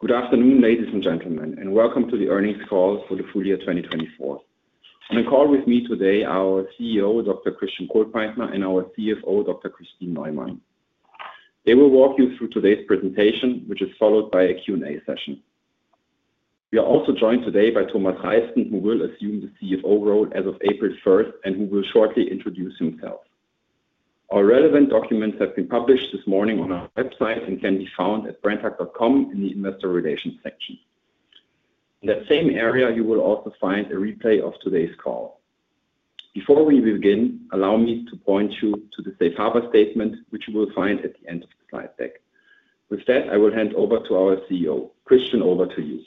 Good afternoon, ladies and gentlemen, and welcome to the Earnings Call for the Full Year 2024. On the call with me today, our CEO, Dr. Christian Kohlpaintner, and our CFO, Dr. Kristin Neumann. They will walk you through today's presentation, which is followed by a Q&A session. We are also joined today by Thomas Reisten, who will assume the CFO role as of April 1st and who will shortly introduce himself. Our relevant documents have been published this morning on our website and can be found at brenntag.com in the Investor Relations section. In that same area, you will also find a replay of today's call. Before we begin, allow me to point you to the safe harbor statement, which you will find at the end of the slide deck. With that, I will hand over to our CEO. Christian, over to you.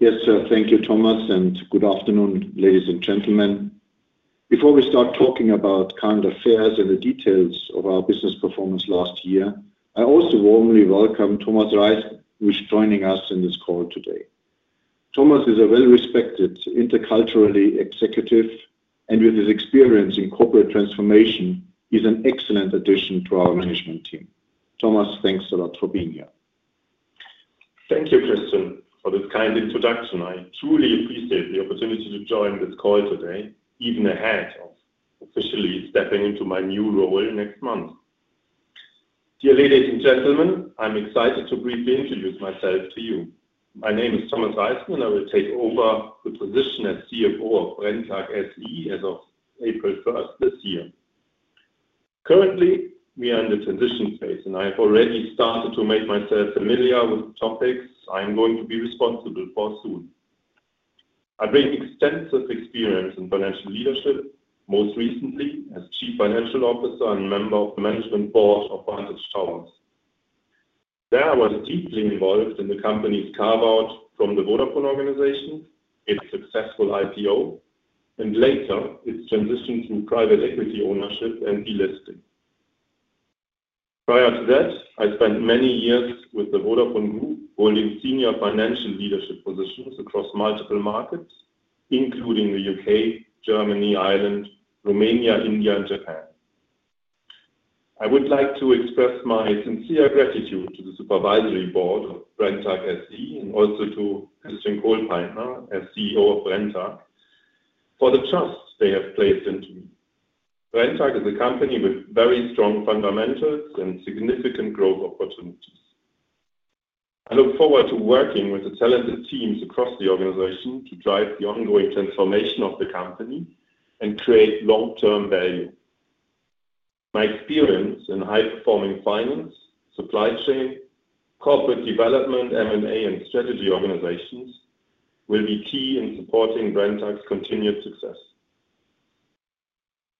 Yes, sir. Thank you, Thomas, and good afternoon, ladies and gentlemen. Before we start talking about current affairs and the details of our business performance last year, I also warmly welcome Thomas Reisten, who is joining us in this call today. Thomas is a well-respected intercultural executive, and with his experience in corporate transformation, he's an excellent addition to our management team. Thomas, thanks a lot for being here.. Thank you, Christian, for this kind introduction. I truly appreciate the opportunity to join this call today, even ahead of officially stepping into my new role next month. Dear ladies and gentlemen, I'm excited to briefly introduce myself to you. My name is Thomas Reisten, and I will take over the position as CFO of Brenntag SE as of April 1st this year. Currently, we are in the transition phase, and I have already started to make myself familiar with the topics I'm going to be responsible for soon. I bring extensive experience in financial leadership, most recently as Chief Financial Officer and member of the Management Board of Vantage Towers. There I was deeply involved in the company's carve-out from the Vodafone organization, its successful IPO, and later its transition to private equity ownership and delisting. Prior to that, I spent many years with the Vodafone Group, holding senior financial leadership positions across multiple markets, including the U.K., Germany, Ireland, Romania, India, and Japan. I would like to express my sincere gratitude to the Supervisory Board of Brenntag SE and also to Christian Kohlpaintner, as CEO of Brenntag, for the trust they have placed into me. Brenntag is a company with very strong fundamentals and significant growth opportunities. I look forward to working with the talented teams across the organization to drive the ongoing transformation of the company and create long-term value. My experience in high-performing finance, supply chain, corporate development, M&A, and strategy organizations will be key in supporting Brenntag's continued success.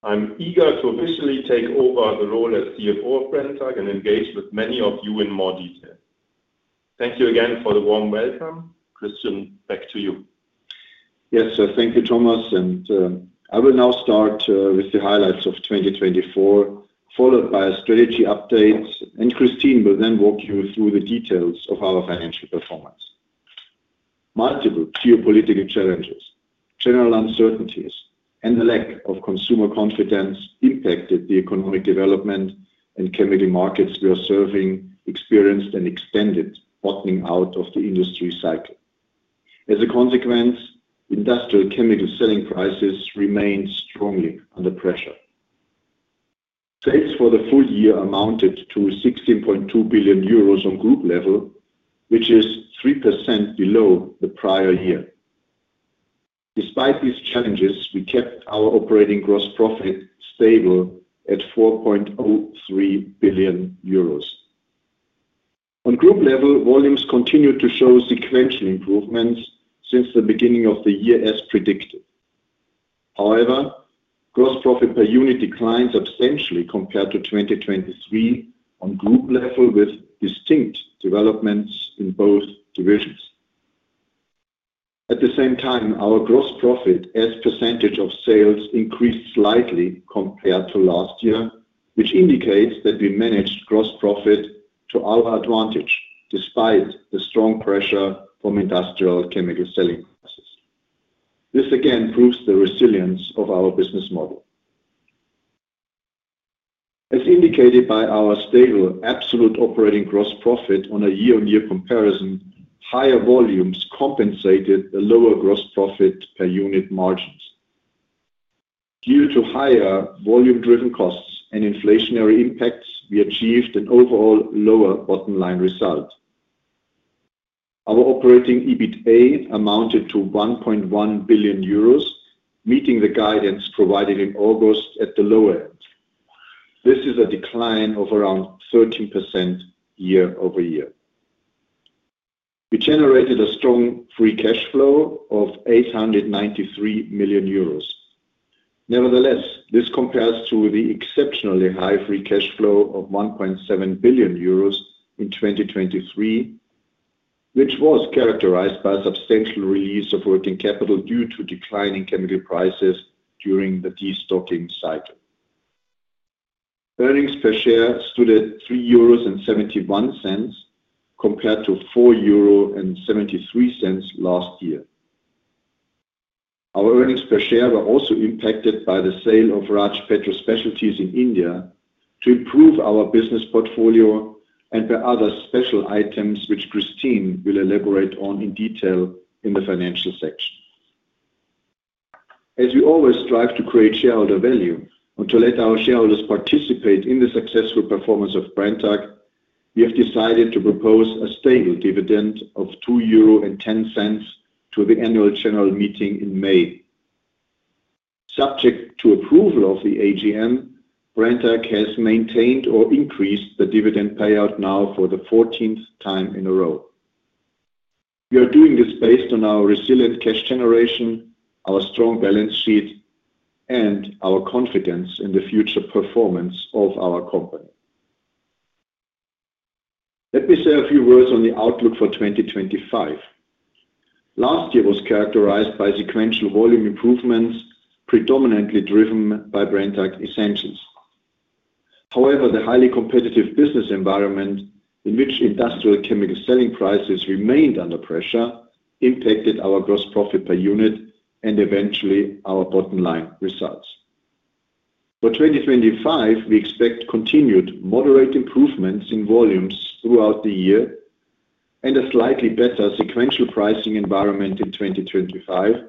I'm eager to officially take over the role as CFO of Brenntag and engage with many of you in more detail. Thank you again for the warm welcome. Christian, back to you. Yes, sir. Thank you, Thomas. I will now start with the highlights of 2024, followed by a strategy update, and Kristin will then walk you through the details of our financial performance. Multiple geopolitical challenges, general uncertainties, and the lack of consumer confidence impacted the economic development and chemical markets we are serving, experienced, and extended, bottoming out of the industry cycle. As a consequence, industrial chemical selling prices remained strongly under pressure. Sales for the full year amounted to 16.2 billion euros on group level, which is 3% below the prior year. Despite these challenges, we kept our operating gross profit stable at 4.03 billion euros. On group level, volumes continued to show sequential improvements since the beginning of the year, as predicted. However, gross profit per unit declined substantially compared to 2023 on group level, with distinct developments in both divisions. At the same time, our gross profit as percentage of sales increased slightly compared to last year, which indicates that we managed gross profit to our advantage despite the strong pressure from industrial chemical selling prices. This again proves the resilience of our business model. As indicated by our stable absolute operating gross profit on a year-on-year comparison, higher volumes compensated the lower gross profit per unit margins. Due to higher volume-driven costs and inflationary impacts, we achieved an overall lower bottom line result. Our operating EBITDA amounted to 1.1 billion euros, meeting the guidance provided in August at the lower end. This is a decline of around 13% year-over-year. We generated a strong free cash flow of 893 million euros. Nevertheless, this compares to the exceptionally high free cash flow of 1.7 billion euros in 2023, which was characterized by a substantial release of working capital due to declining chemical prices during the destocking cycle. Earnings per share stood at 3.71 euros compared to 4.73 euro last year. Our earnings per share were also impacted by the sale of Raj Petro Specialities in India to improve our business portfolio and by other special items, which Kristin will elaborate on in detail in the financial section. As we always strive to create shareholder value and to let our shareholders participate in the successful performance of Brenntag, we have decided to propose a stable dividend of 2.10 euro to the annual general meeting in May. Subject to approval of the AGM, Brenntag has maintained or increased the dividend payout now for the 14th time in a row. We are doing this based on our resilient cash generation, our strong balance sheet, and our confidence in the future performance of our company. Let me say a few words on the outlook for 2025. Last year was characterized by sequential volume improvements, predominantly driven by Brenntag Essentials. However, the highly competitive business environment, in which industrial chemical selling prices remained under pressure, impacted our gross profit per unit and eventually our bottom line results. For 2025, we expect continued moderate improvements in volumes throughout the year and a slightly better sequential pricing environment in 2025,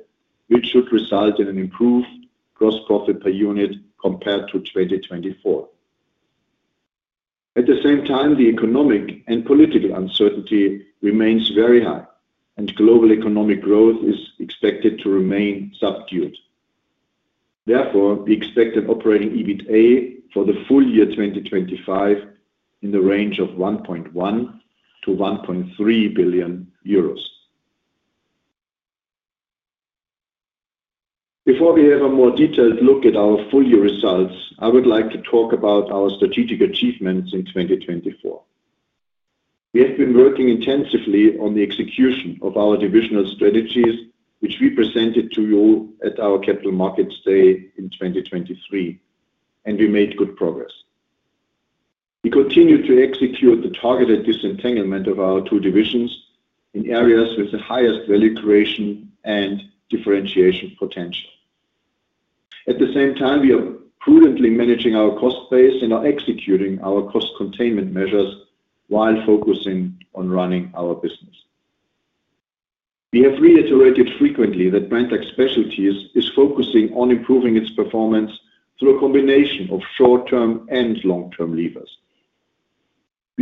which should result in an improved gross profit per unit compared to 2024. At the same time, the economic and political uncertainty remains very high, and global economic growth is expected to remain subdued. Therefore, we expect an operating EBITDA for the full year 2025 in the range of 1.1-1.3 billion euros. Before we have a more detailed look at our full year results, I would like to talk about our strategic achievements in 2024. We have been working intensively on the execution of our divisional strategies, which we presented to you all at our capital markets day in 2023, and we made good progress. We continue to execute the targeted disentanglement of our two divisions in areas with the highest value creation and differentiation potential. At the same time, we are prudently managing our cost base and are executing our cost containment measures while focusing on running our business. We have reiterated frequently that Brenntag Specialties is focusing on improving its performance through a combination of short-term and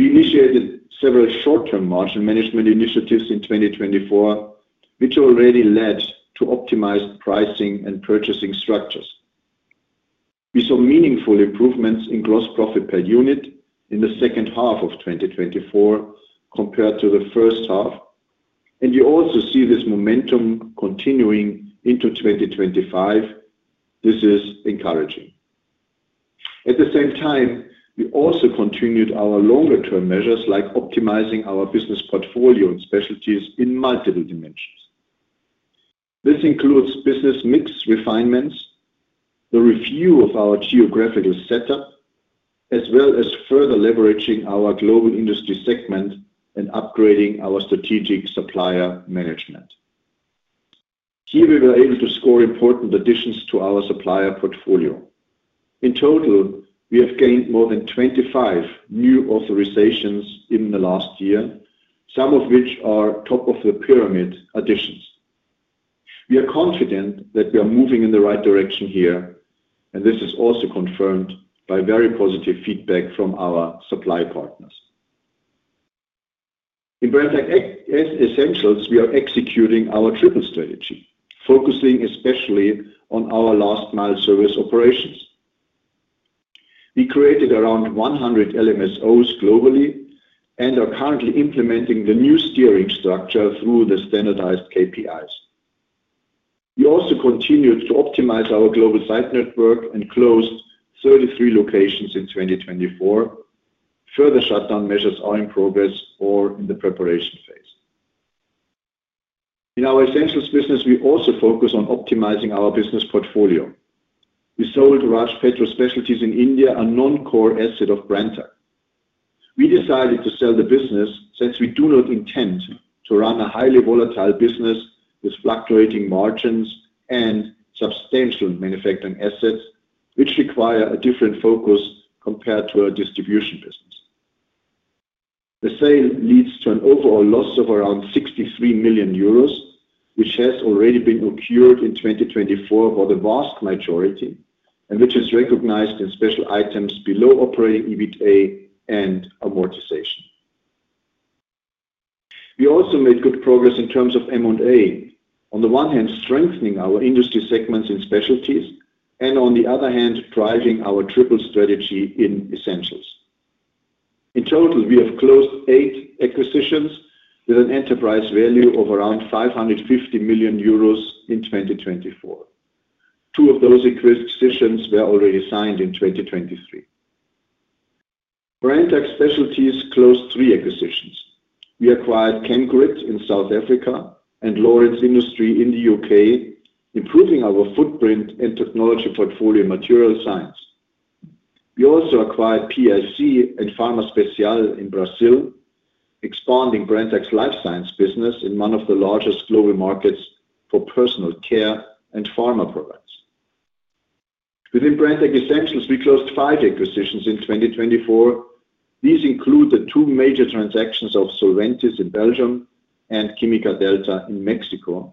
long-term levers. We initiated several short-term margin management initiatives in 2024, which already led to optimized pricing and purchasing structures. We saw meaningful improvements in gross profit per unit in the second half of 2024 compared to the first half, and we also see this momentum continuing into 2025. This is encouraging. At the same time, we also continued our longer-term measures, like optimizing our business portfolio and Specialties in multiple dimensions. This includes business mix refinements, the review of our geographical setup, as well as further leveraging our global industry segment and upgrading our strategic supplier management. Here, we were able to score important additions to our supplier portfolio. In total, we have gained more than 25 new authorizations in the last year, some of which are top-of-the-pyramid additions. We are confident that we are moving in the right direction here, and this is also confirmed by very positive feedback from our supply partners. In Brenntag Essentials, we are executing our triple strategy, focusing especially on our last-mile service operations. We created around 100 LMSOs globally and are currently implementing the new steering structure through the standardized KPIs. We also continued to optimize our global site network and closed 33 locations in 2024. Further shutdown measures are in progress or in the preparation phase. In our Essentials business, we also focus on optimizing our business portfolio. We sold Raj Petro Specialities in India, a non-core asset of Brenntag. We decided to sell the business since we do not intend to run a highly volatile business with fluctuating margins and substantial manufacturing assets, which require a different focus compared to our distribution business. The sale leads to an overall loss of around 63 million euros, which has already been occurred in 2024 for the vast majority and which is recognized in special items below operating EBITDA and amortization. We also made good progress in terms of M&A, on the one hand, strengthening our industry segments in specialties, and on the other hand, driving our triple strategy in Essentials. In total, we have closed eight acquisitions with an enterprise value of around 550 million euros in 2024. Two of those acquisitions were already signed in 2023. Brenntag Specialties closed three acquisitions. We acquired Chemgrit in South Africa and Lawrence Industries in the U.K., improving our footprint and technology portfolio in Material Science. We also acquired PIC and PharmaSpecial in Brazil, expanding Brenntag's Life Science business in one of the largest global markets for personal care and Pharma products. Within Brenntag Essentials, we closed five acquisitions in 2024. These include the two major transactions of Solventis in Belgium and Química Delta in Mexico,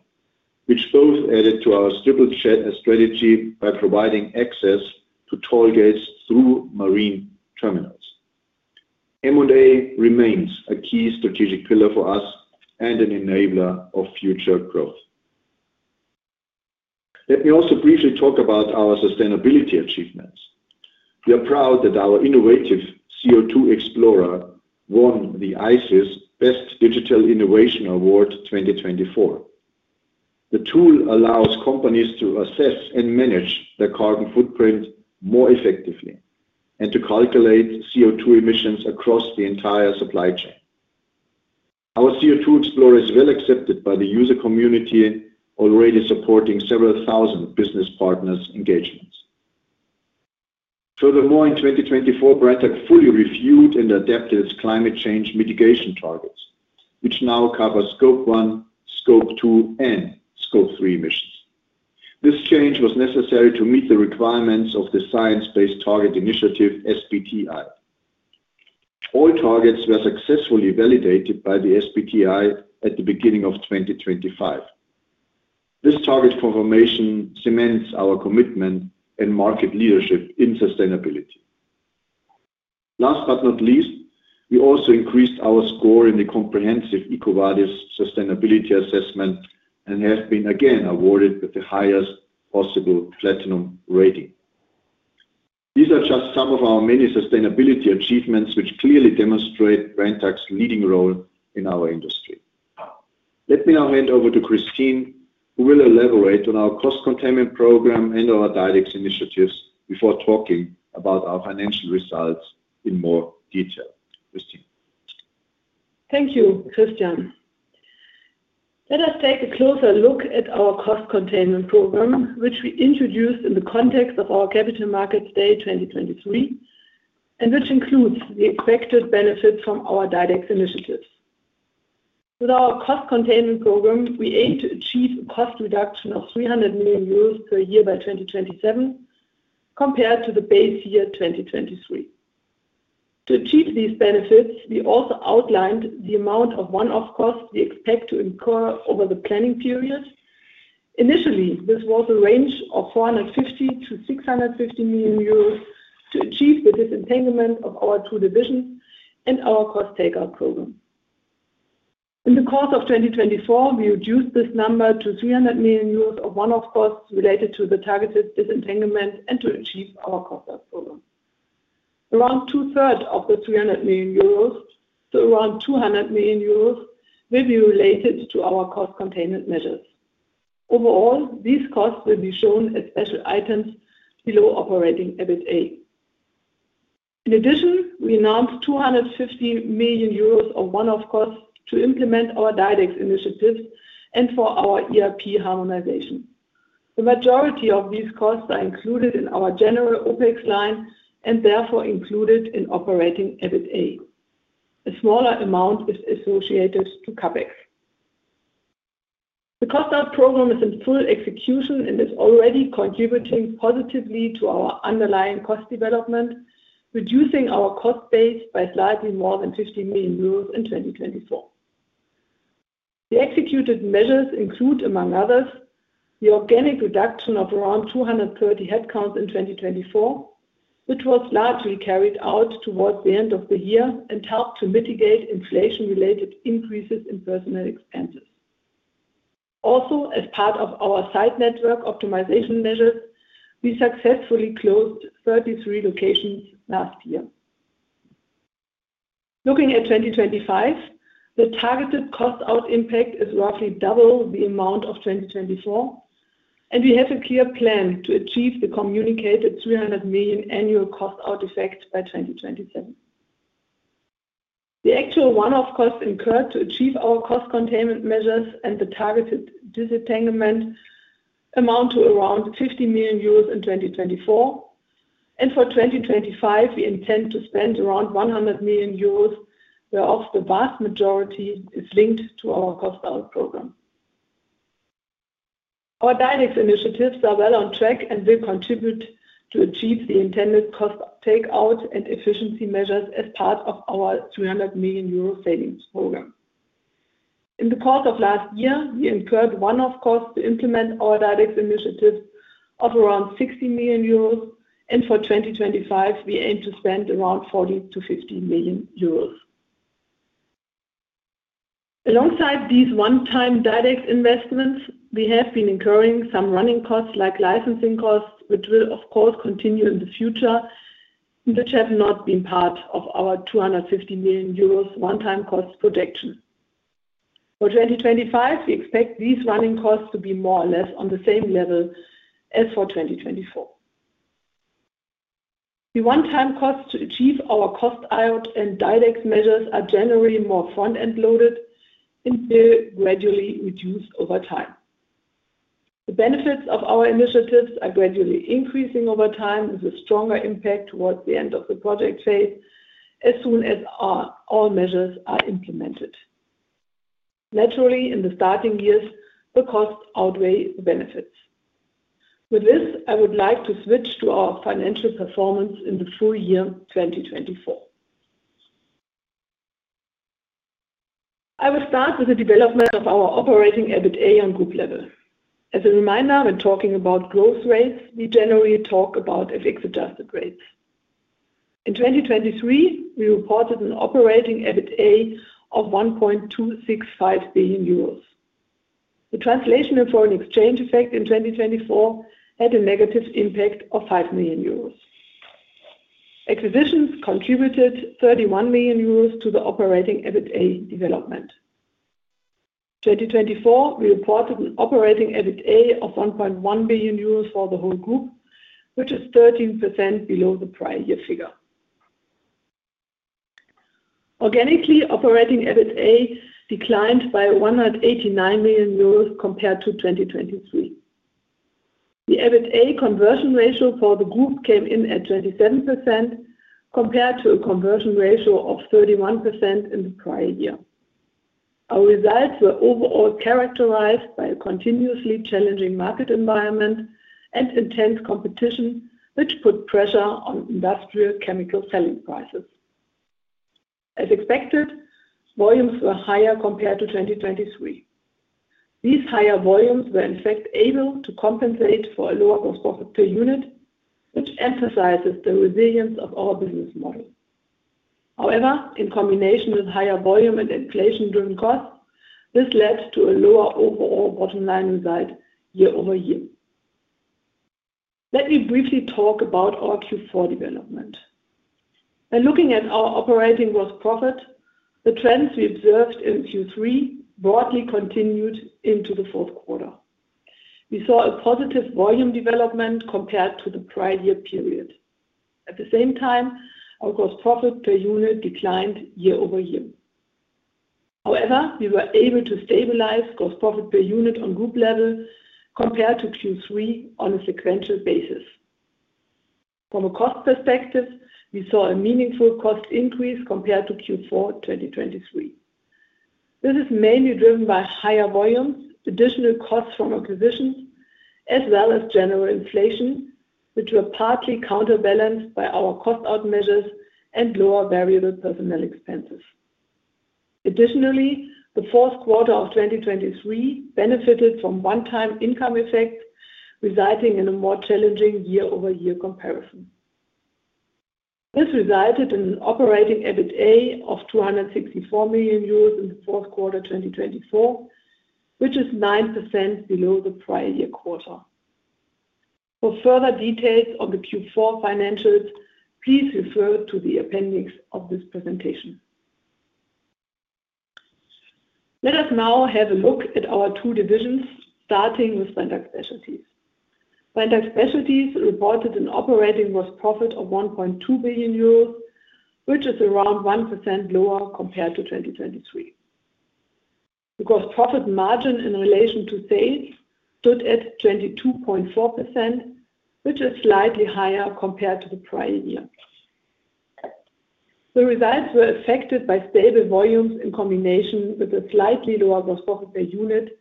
which both added to our triple strategy by providing access to tollgates through marine terminals. M&A remains a key strategic pillar for us and an enabler of future growth. Let me also briefly talk about our sustainability achievements. We are proud that our innovative CO2 Explorer won the ICIS Best Digital Innovation Award 2024. The tool allows companies to assess and manage their carbon footprint more effectively and to calculate CO2 emissions across the entire supply chain. Our CO2 Explorer is well accepted by the user community, already supporting several thousand business partners' engagements. Furthermore, in 2024, Brenntag fully reviewed and adapted its climate change mitigation targets, which now cover Scope 1, Scope 2, and Scope 3 emissions. This change was necessary to meet the requirements of the Science Based Targets Initiative, (SBTi). All targets were successfully validated by the SBTi at the beginning of 2025. This target confirmation cements our commitment and market leadership in sustainability. Last but not least, we also increased our score in the comprehensive EcoVadis sustainability assessment and have been again awarded with the highest possible platinum rating. These are just some of our many sustainability achievements, which clearly demonstrate Brenntag's leading role in our industry. Let me now hand over to Kristin, who will elaborate on our cost containment program and our DiDEX initiatives before talking about our financial results in more detail. Kristin. Thank you, Christian. Let us take a closer look at our cost containment program, which we introduced in the context of our capital markets day 2023, and which includes the expected benefits from our DiDEX initiatives. With our cost containment program, we aim to achieve a cost reduction of 300 million euros per-year by 2027, compared to the base year 2023. To achieve these benefits, we also outlined the amount of one-off costs we expect to incur over the planning period. Initially, this was a range of 450-650 million euros to achieve the disentanglement of our two divisions and our cost takeout program. In the course of 2024, we reduced this number to 300 million euros of one-off costs related to the targeted disentanglement and to achieve our cost output. Around two-thirds of the 300 million euros, so around 200 million euros, will be related to our cost containment measures. Overall, these costs will be shown as special items below operating EBITDA. In addition, we announced 250 million euros of one-off costs to implement our DiDEX initiatives and for our ERP harmonization. The majority of these costs are included in our general OpEx line and therefore included in operating EBITDA. A smaller amount is associated to CapEx. The cost-out program is in full execution and is already contributing positively to our underlying cost development, reducing our cost base by slightly more than 50 million euros in 2024. The executed measures include, among others, the organic reduction of around 230 headcounts in 2024, which was largely carried out towards the end of the year and helped to mitigate inflation-related increases in personnel expenses. Also, as part of our site network optimization measures, we successfully closed 33 locations last year. Looking at 2025, the targeted cost out impact is roughly double the amount of 2024, and we have a clear plan to achieve the communicated 300 million annual cost out effect by 2027. The actual one-off costs incurred to achieve our cost containment measures and the targeted disentanglement amount to around 50 million euros in 2024. For 2025, we intend to spend around 100 million euros, whereof the vast majority is linked to our cost-out program. Our DiDEX initiatives are well on track and will contribute to achieve the intended cost takeout and efficiency measures as part of our 300 million euro savings program. In the course of last year, we incurred one-off costs to implement our DiDEX initiatives of around 60 million euros, and for 2025, we aim to spend around 40-50 million euros. Alongside these one-time direct investments, we have been incurring some running costs like licensing costs, which will, of course, continue in the future, and which have not been part of our 250 million euros one-time cost projection. For 2025, we expect these running costs to be more or less on the same level as for 2024. The one-time costs to achieve our cost out and direct measures are generally more front-end loaded and will gradually reduce over time. The benefits of our initiatives are gradually increasing over time with a stronger impact towards the end of the project phase as soon as all measures are implemented. Naturally, in the starting years, the costs outweigh the benefits. With this, I would like to switch to our financial performance in the full year 2024. I will start with the development of our operating EBITDA on group level. As a reminder, when talking about growth rates, we generally talk about FX-adjusted rates. In 2023, we reported an operating EBITDA of 1.265 billion euros. The translation for an exchange effect in 2024 had a negative impact of 5 million euros. Acquisitions contributed 31 million euros to the operating EBITDA development. In 2024, we reported an operating EBITDA of 1.1 billion euros for the whole group, which is 13% below the prior year figure. Organically, operating EBITDA declined by 189 million euros compared to 2023. The EBITDA conversion ratio for the group came in at 27% compared to a conversion ratio of 31% in the prior year. Our results were overall characterized by a continuously challenging market environment and intense competition, which put pressure on industrial chemical selling prices. As expected, volumes were higher compared to 2023. These higher volumes were, in fact, able to compensate for a lower cost per unit, which emphasizes the resilience of our business model. However, in combination with higher volume and inflation-driven costs, this led to a lower overall bottom line result year-over-year. Let me briefly talk about our Q4 development. When looking at our operating gross profit, the trends we observed in Q3 broadly continued into the fourth quarter. We saw a positive volume development compared to the prior year period. At the same time, our gross profit per unit declined year-over-year. However, we were able to stabilize gross profit per unit on group level compared to Q3 on a sequential basis. From a cost perspective, we saw a meaningful cost increase compared to Q4 2023. This is mainly driven by higher volumes, additional costs from acquisitions, as well as general inflation, which were partly counterbalanced by our cost out measures and lower variable personnel expenses. Additionally, the fourth quarter of 2023 benefited from one-time income effect, resulting in a more challenging year-over-year comparison. This resulted in an operating EBITDA of 264 million euros in the fourth quarter 2024, which is 9% below the prior year quarter. For further details on the Q4 financials, please refer to the appendix of this presentation. Let us now have a look at our two divisions, starting with Brenntag Specialties. Brenntag Specialties reported an operating gross profit of 1.2 billion euros, which is around 1% lower compared to 2023. The gross profit margin in relation to sales stood at 22.4%, which is slightly higher compared to the prior year. The results were affected by stable volumes in combination with a slightly lower gross profit per unit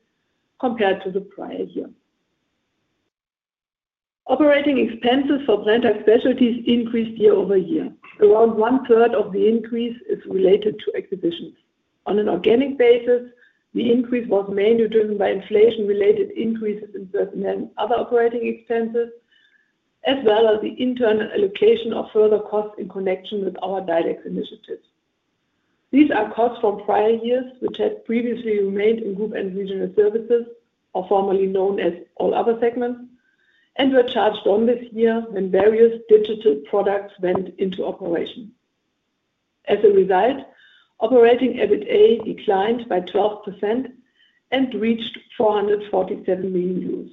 compared to the prior year. Operating expenses for Brenntag Specialties increased year-over-year. Around one-third of the increase is related to acquisitions. On an organic basis, the increase was mainly driven by inflation-related increases in personnel and other operating expenses, as well as the internal allocation of further costs in connection with our DiDEX Initiatives. These are costs from prior years, which had previously remained in group and regional services, or formerly known as all other segments, and were charged on this year when various digital products went into operation. As a result, operating EBITDA declined by 12% and reached 447 million.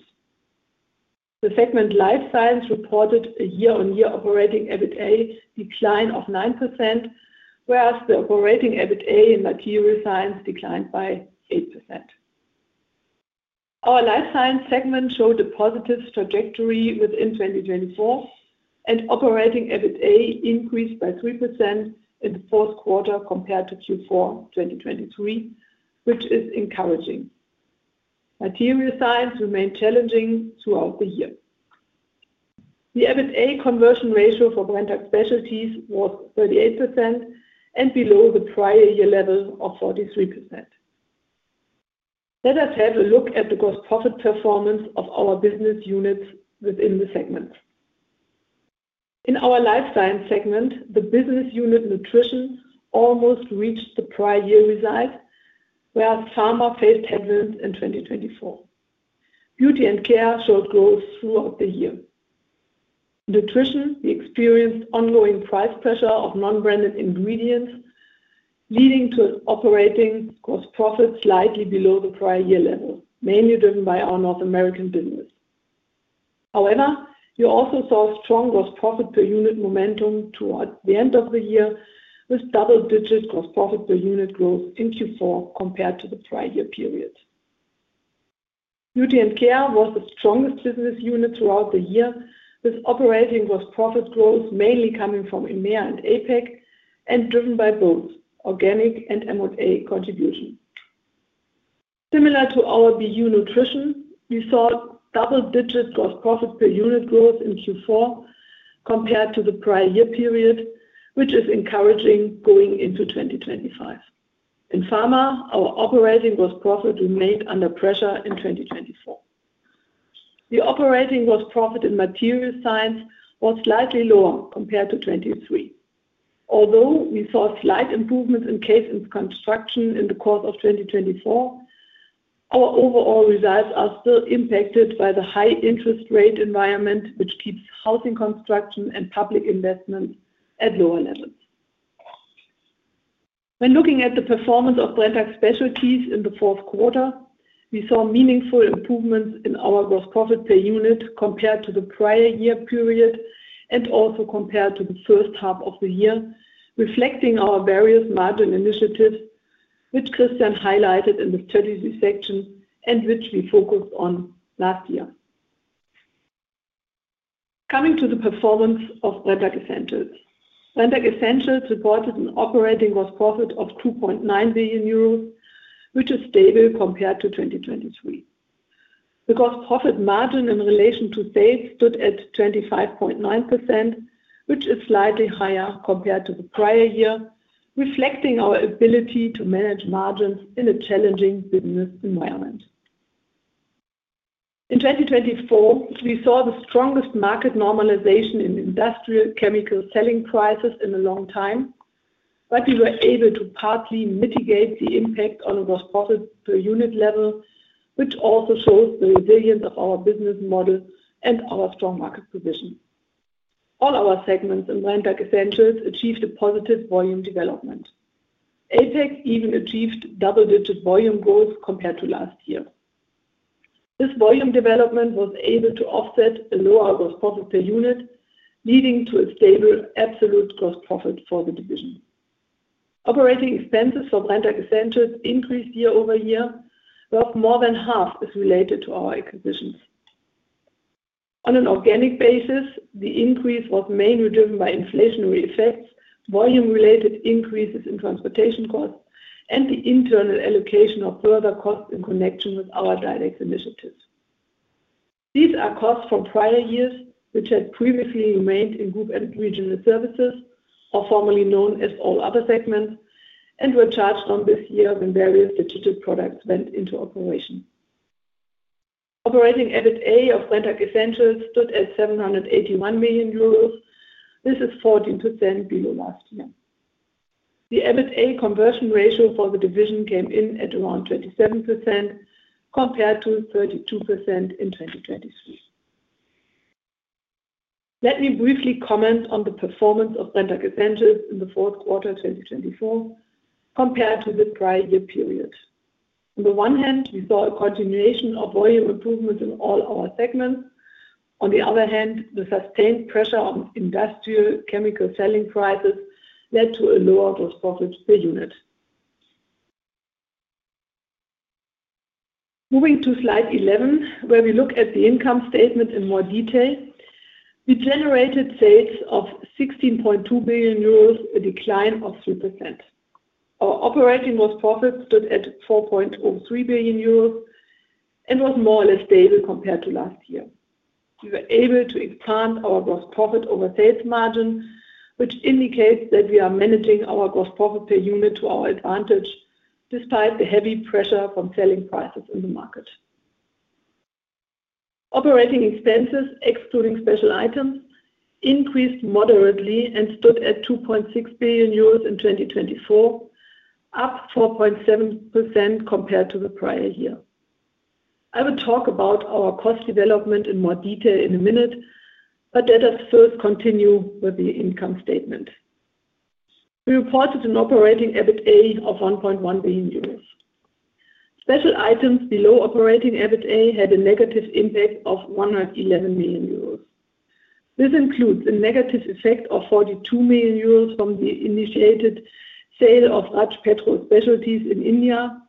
The segment Life Science reported a year-on-year operating EBITDA decline of 9%, whereas the operating EBITDA in material science declined by 8%. Life Science segment showed a positive trajectory within 2024, and operating EBITDA increased by 3% in the fourth quarter compared to Q4 2023, which is encouraging. Material science remained challenging throughout the year. The EBITDA conversion ratio for Brenntag Specialties was 38% and below the prior year level of 43%. Let us have a look at the gross profit performance of our business units within the segment. In our Life Science segment, the business unit Nutrition almost reached the prior year result, whereas Pharma faced headwinds in 2024. Beauty & Care showed growth throughout the year. Nutrition, we experienced ongoing price pressure of non-branded ingredients, leading to an operating gross profit slightly below the prior year level, mainly driven by our North American business. However, we also saw strong gross profit per unit momentum towards the end of the year, with double-digit gross profit per unit growth in Q4 compared to the prior year period. Beauty & Care was the strongest business unit throughout the year, with operating gross profit growth mainly coming from EMEA and APEC, and driven by both organic and M&A contribution. Similar to our BU Nutrition, we saw double-digit gross profit per unit growth in Q4 compared to the prior year period, which is encouraging going into 2025. In Pharma, our operating gross profit remained under pressure in 2024. The operating gross profit in material science was slightly lower compared to 2023. Although we saw slight improvements in CASE and Construction in the course of 2024, our overall results are still impacted by the high interest rate environment, which keeps housing construction and public investment at lower levels. When looking at the performance of Brenntag Specialties in the fourth quarter, we saw meaningful improvements in our gross profit per unit compared to the prior year period and also compared to the first half of the year, reflecting our various margin initiatives, which Christian highlighted in the strategy section and which we focused on last year. Coming to the performance of Brenntag Essentials. Brenntag Essentials reported an operating gross profit of 2.9 billion euros, which is stable compared to 2023. The gross profit margin in relation to sales stood at 25.9%, which is slightly higher compared to the prior year, reflecting our ability to manage margins in a challenging business environment. In 2024, we saw the strongest market normalization in industrial chemical selling prices in a long time, but we were able to partly mitigate the impact on the gross profit per unit level, which also shows the resilience of our business model and our strong market position. All our segments in Brenntag Essentials achieved a positive volume development. APEC even achieved double-digit volume growth compared to last year. This volume development was able to offset a lower gross profit per unit, leading to a stable absolute gross profit for the division. Operating expenses for Brenntag Essentials increased year-over-year, whereof more than half is related to our acquisitions. On an organic basis, the increase was mainly driven by inflationary effects, volume-related increases in transportation costs, and the internal allocation of further costs in connection with our DiDEX initiatives. These are costs from prior years, which had previously remained in group and regional services, or formerly known as all other segments, and were charged on this year when various digital products went into operation. Operating EBITDA of Brenntag Essentials stood at 781 million euros. This is 14% below last year. The EBITDA conversion ratio for the division came in at around 27% compared to 32% in 2023. Let me briefly comment on the performance of Brenntag Essentials in the fourth quarter 2024 compared to the prior year period. On the one hand, we saw a continuation of volume improvements in all our segments. On the other hand, the sustained pressure on industrial chemical selling prices led to a lower gross profit per unit. Moving to slide 11, where we look at the income statement in more detail, we generated sales of 16.2 billion euros, a decline of 3%. Our operating gross profit stood at 4.03 billion euros and was more or less stable compared to last year. We were able to expand our gross profit over sales margin, which indicates that we are managing our gross profit per unit to our advantage despite the heavy pressure from selling prices in the market. Operating expenses, excluding special items, increased moderately and stood at 2.6 billion euros in 2024, up 4.7% compared to the prior year. I will talk about our cost development in more detail in a minute, but let us first continue with the income statement. We reported an operating EBITDA of 1.1 billion euros. Special items below operating EBITDA had a negative impact of 111 million euros. This includes a negative effect of 42 million euros from the initiated sale of Raj Petro Specialities in India,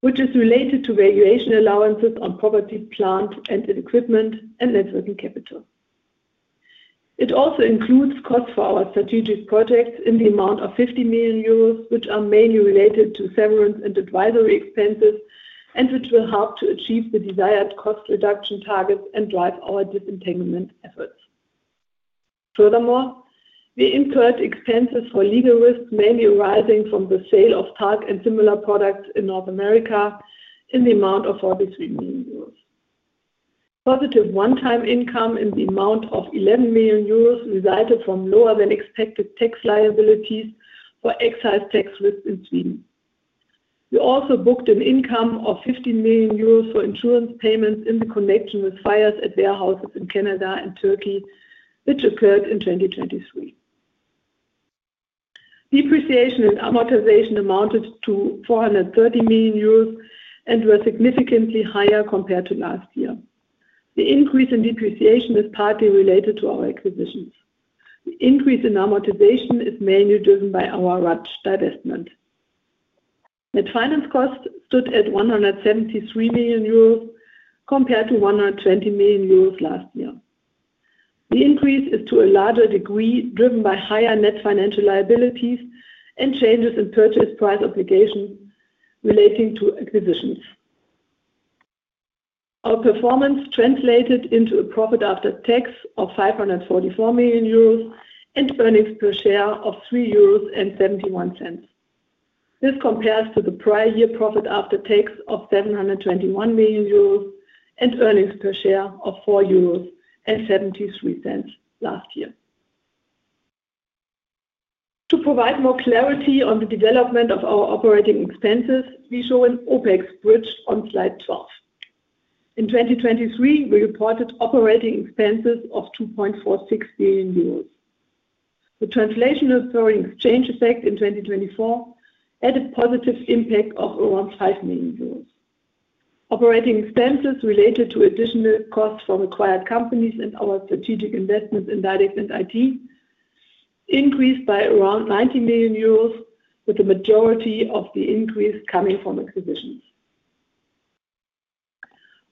which is related to valuation allowances on property, plant, and equipment, and networking capital. It also includes costs for our strategic projects in the amount of 50 million euros, which are mainly related to severance and advisory expenses, and which will help to achieve the desired cost reduction targets and drive our disentanglement efforts. Furthermore, we incurred expenses for legal risks mainly arising from the sale of talc and similar products in North America in the amount of 43 million euros. Positive one-time income in the amount of 11 million euros resulted from lower-than-expected tax liabilities for excise tax risks in Sweden. We also booked an income of 15 million euros for insurance payments in connection with fires at warehouses in Canada and Turkey, which occurred in 2023. Depreciation and amortization amounted to 430 million euros and were significantly higher compared to last year. The increase in depreciation is partly related to our acquisitions. The increase in amortization is mainly driven by our Raj Petro Specialities divestment. Net finance cost stood at 173 million euros compared to 120 million euros last year. The increase is to a larger degree driven by higher net financial liabilities and changes in purchase price obligations relating to acquisitions. Our performance translated into a profit after tax of 544 million euros and earnings per share of 3.71 euros. This compares to the prior year profit after tax of 721 million euros and earnings per share of 4.73 euros last year. To provide more clarity on the development of our operating expenses, we show an OpEx bridge on slide 12. In 2023, we reported operating expenses of 2.46 billion euros. The translational foreign exchange effect in 2024 had a positive impact of around 5 million euros. Operating expenses related to additional costs from acquired companies and our strategic investments in direct and IT increased by around 90 million euros, with the majority of the increase coming from acquisitions.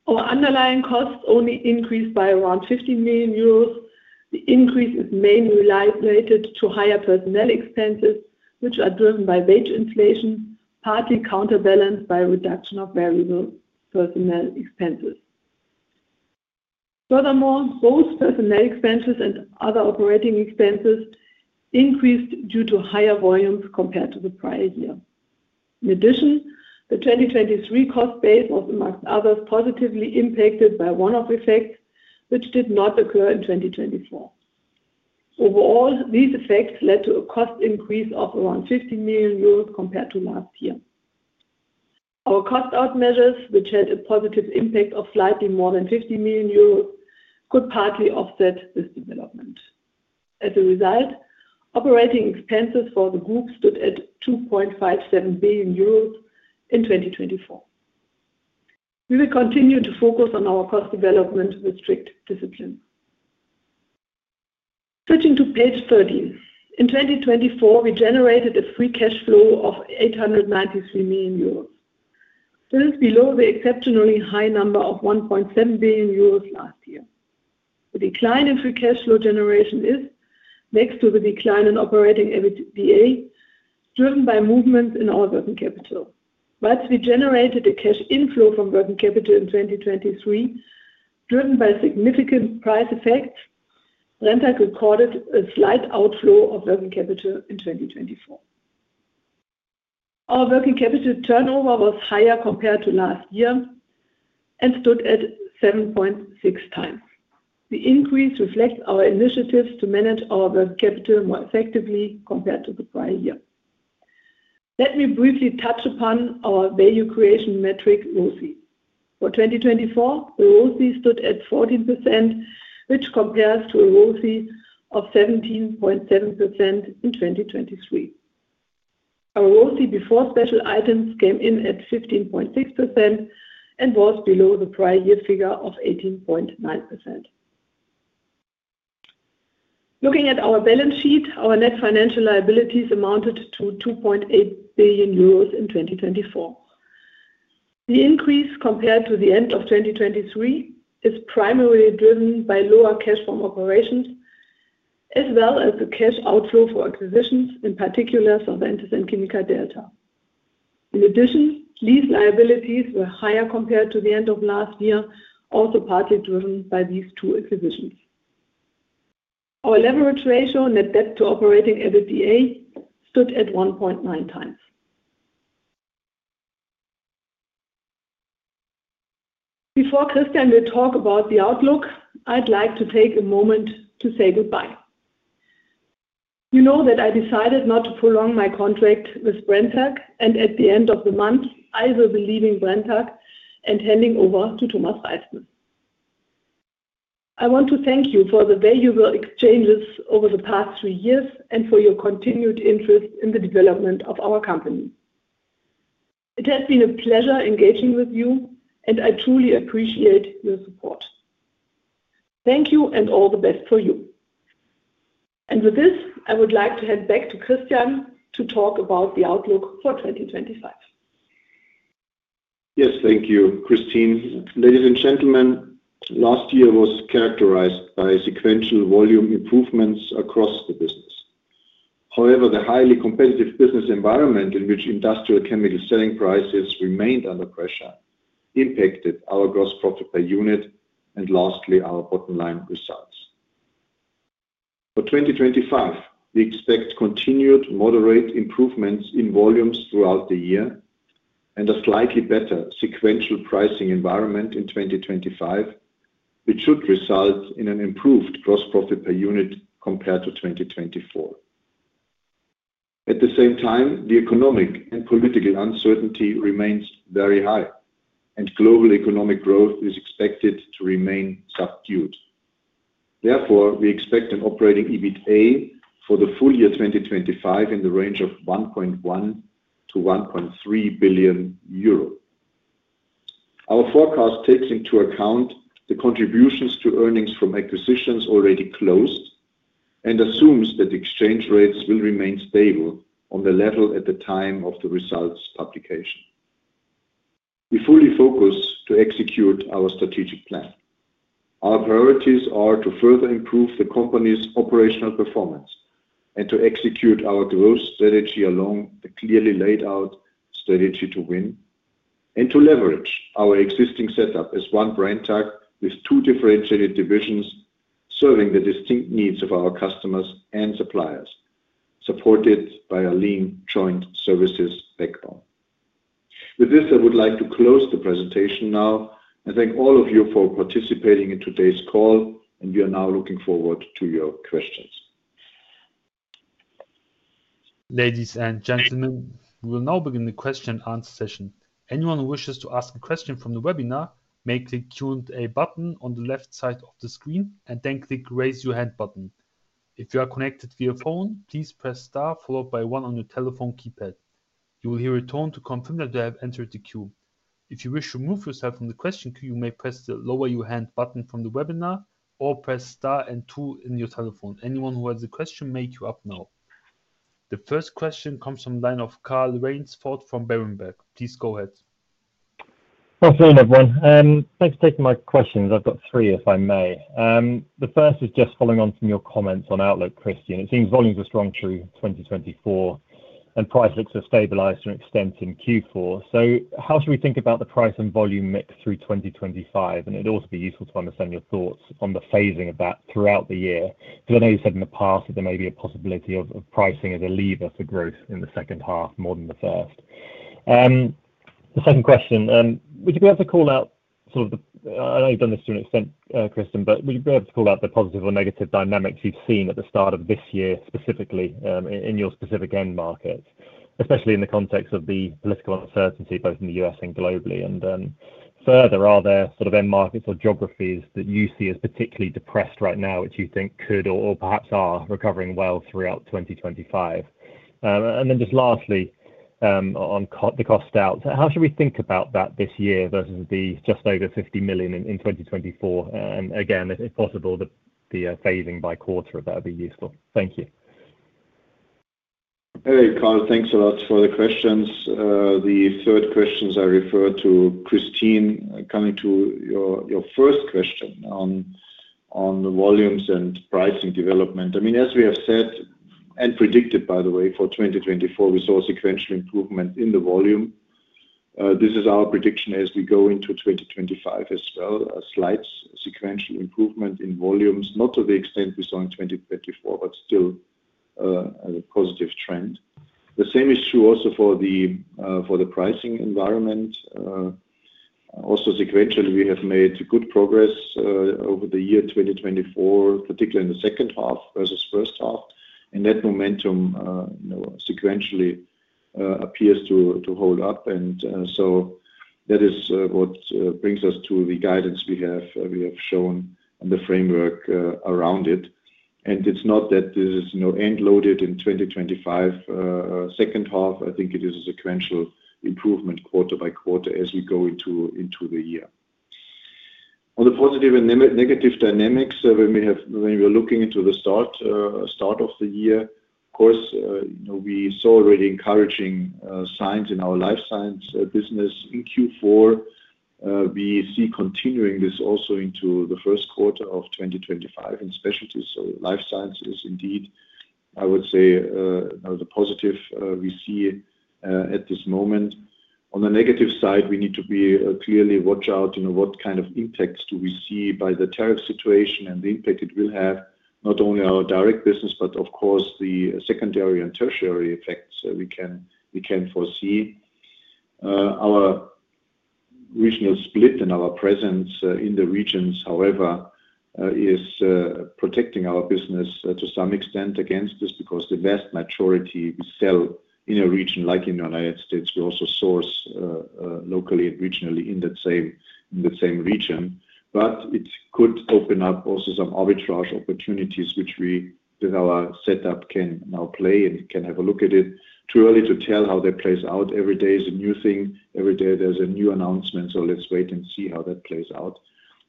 Our underlying costs only increased by around 15 million euros. The increase is mainly related to higher personnel expenses, which are driven by wage inflation, partly counterbalanced by a reduction of variable personnel expenses. Furthermore, both personnel expenses and other operating expenses increased due to higher volumes compared to the prior year. In addition, the 2023 cost base was, amongst others, positively impacted by one-off effects, which did not occur in 2024. Overall, these effects led to a cost increase of around 15 million euros compared to last year. Our cost-out measures, which had a positive impact of slightly more than 50 million euros, could partly offset this development. As a result, operating expenses for the group stood at 2.57 billion euros in 2024. We will continue to focus on our cost development with strict discipline. Switching to page 13, in 2024, we generated a free cash flow of 893 million euros. This is below the exceptionally high number of 1.7 billion euros last year. The decline in free cash flow generation is, next to the decline in operating EBITDA, driven by movements in our working capital. Whilst we generated a cash inflow from working capital in 2023, driven by significant price effects, Brenntag recorded a slight outflow of working capital in 2024. Our working capital turnover was higher compared to last year and stood at 7.6 times. The increase reflects our initiatives to manage our working capital more effectively compared to the prior year. Let me briefly touch upon our value creation metric, ROCE. For 2024, the ROCE stood at 14%, which compares to a ROCE of 17.7% in 2023. Our ROCE before special items came in at 15.6% and was below the prior year figure of 18.9%. Looking at our balance sheet, our net financial liabilities amounted to 2.8 billion euros in 2024. The increase compared to the end of 2023 is primarily driven by lower cash from operations, as well as the cash outflow for acquisitions, in particular, Solventis and Química Delta. In addition, lease liabilities were higher compared to the end of last year, also partly driven by these two acquisitions. Our leverage ratio, net debt to operating EBITDA, stood at 1.9 times. Before Christian will talk about the outlook, I'd like to take a moment to say goodbye. You know that I decided not to prolong my contract with Brenntag, and at the end of the month, I will be leaving Brenntag and handing over to Thomas Reisten. I want to thank you for the valuable exchanges over the past three years and for your continued interest in the development of our company. It has been a pleasure engaging with you, and I truly appreciate your support. Thank you, and all the best for you. With this, I would like to hand back to Christian to talk about the outlook for 2025. Yes, thank you, Kristin. Ladies and gentlemen, last year was characterized by sequential volume improvements across the business. However, the highly competitive business environment in which industrial chemical selling prices remained under pressure impacted our gross profit per unit and, lastly, our bottom-line results. For 2025, we expect continued moderate improvements in volumes throughout the year and a slightly better sequential pricing environment in 2025, which should result in an improved gross profit per unit compared to 2024. At the same time, the economic and political uncertainty remains very high, and global economic growth is expected to remain subdued. Therefore, we expect an operating EBITDA for the full year 2025 in the range of 1.1 billion-1.3 billion euro. Our forecast takes into account the contributions to earnings from acquisitions already closed and assumes that exchange rates will remain stable on the level at the time of the results publication. We fully focus to execute our strategic plan. Our priorities are to further improve the company's operational performance and to execute our growth strategy along the clearly laid out Strategy to Win, and to leverage our existing setup as one Brenntag with two differentiated divisions serving the distinct needs of our customers and suppliers, supported by a lean joint services backbone. With this, I would like to close the presentation now and thank all of you for participating in today's call, and we are now looking forward to your questions. Ladies and gentlemen, we will now begin the Q&A session. Anyone who wishes to ask a question from the webinar may click the Q&A button on the left side of the screen and then click the Raise Your Hand button. If you are connected via phone, please press Star followed by one on your telephone keypad. You will hear a tone to confirm that you have entered the queue. If you wish to remove yourself from the question queue, you may press the Lower Your Hand button from the webinar or press star and two on your telephone. Anyone who has a question may queue up now. The first question comes from the line of Carl Raynsford from Berenberg. Please go ahead. Good afternoon, everyone. Thanks for taking my questions. I've got three, if I may. The first is just following on from your comments on outlook, Kristin. It seems volumes are strong through 2024, and price looks to have stabilized to an extent in Q4. How should we think about the price and volume mix through 2025? It would also be useful to understand your thoughts on the phasing of that throughout the year, because I know you said in the past that there may be a possibility of pricing as a lever for growth in the second half more than the first. The second question, would you be able to call out sort of the—I know you've done this to an extent, Kristin—but would you be able to call out the positive or negative dynamics you've seen at the start of this year, specifically in your specific end markets, especially in the context of the political uncertainty both in the U.S. and globally? Further, are there sort of end markets or geographies that you see as particularly depressed right now, which you think could or perhaps are recovering well throughout 2025? Lastly, on the cost out, how should we think about that this year versus the just over 50 million in 2024? If possible, the phasing by quarter of that would be useful. Thank you. Hey, Carl, thanks a lot for the questions. The third question I refer to Kristin. Coming to your first question on the volumes and pricing development, I mean, as we have said and predicted, by the way, for 2024, we saw sequential improvement in the volume. This is our prediction as we go into 2025 as well, a slight sequential improvement in volumes, not to the extent we saw in 2024, but still a positive trend. The same is true also for the pricing environment. Also, sequentially, we have made good progress over the year 2024, particularly in the second half versus first half. That momentum sequentially appears to hold up. That is what brings us to the guidance we have shown and the framework around it. It is not that this is end-loaded in 2025 second half. I think it is a sequential improvement quarter-by-quarter as we go into the year. On the positive and negative dynamics, when we were looking into the start of the year, of course, we saw already encouraging signs in our Life Science business. In Q4, we see continuing this also into the first quarter of 2025 in specialties. Life Sciences indeed, I would say, are the positive we see at this moment. On the negative side, we need to clearly watch out what kind of impacts do we see by the tariff situation and the impact it will have, not only on our direct business, but of course, the secondary and tertiary effects we can foresee. Our regional split and our presence in the regions, however, is protecting our business to some extent against this because the vast majority we sell in a region like in the United States, we also source locally and regionally in the same region. It could open up also some arbitrage opportunities, which we, with our setup, can now play and can have a look at it. Too early to tell how that plays out. Every day is a new thing. Every day there's a new announcement, so let's wait and see how that plays out.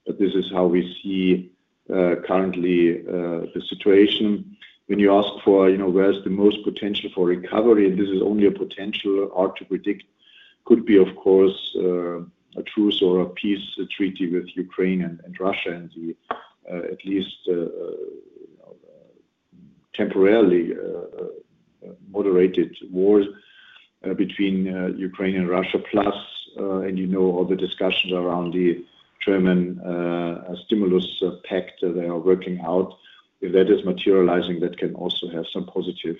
This is how we see currently the situation. When you ask for where's the most potential for recovery, and this is only a potential, hard to predict, could be, of course, a truce or a peace treaty with Ukraine and Russia and the at least temporarily moderated war between Ukraine and Russia. Plus, and you know all the discussions around the German stimulus pact they are working out. If that is materializing, that can also have some positive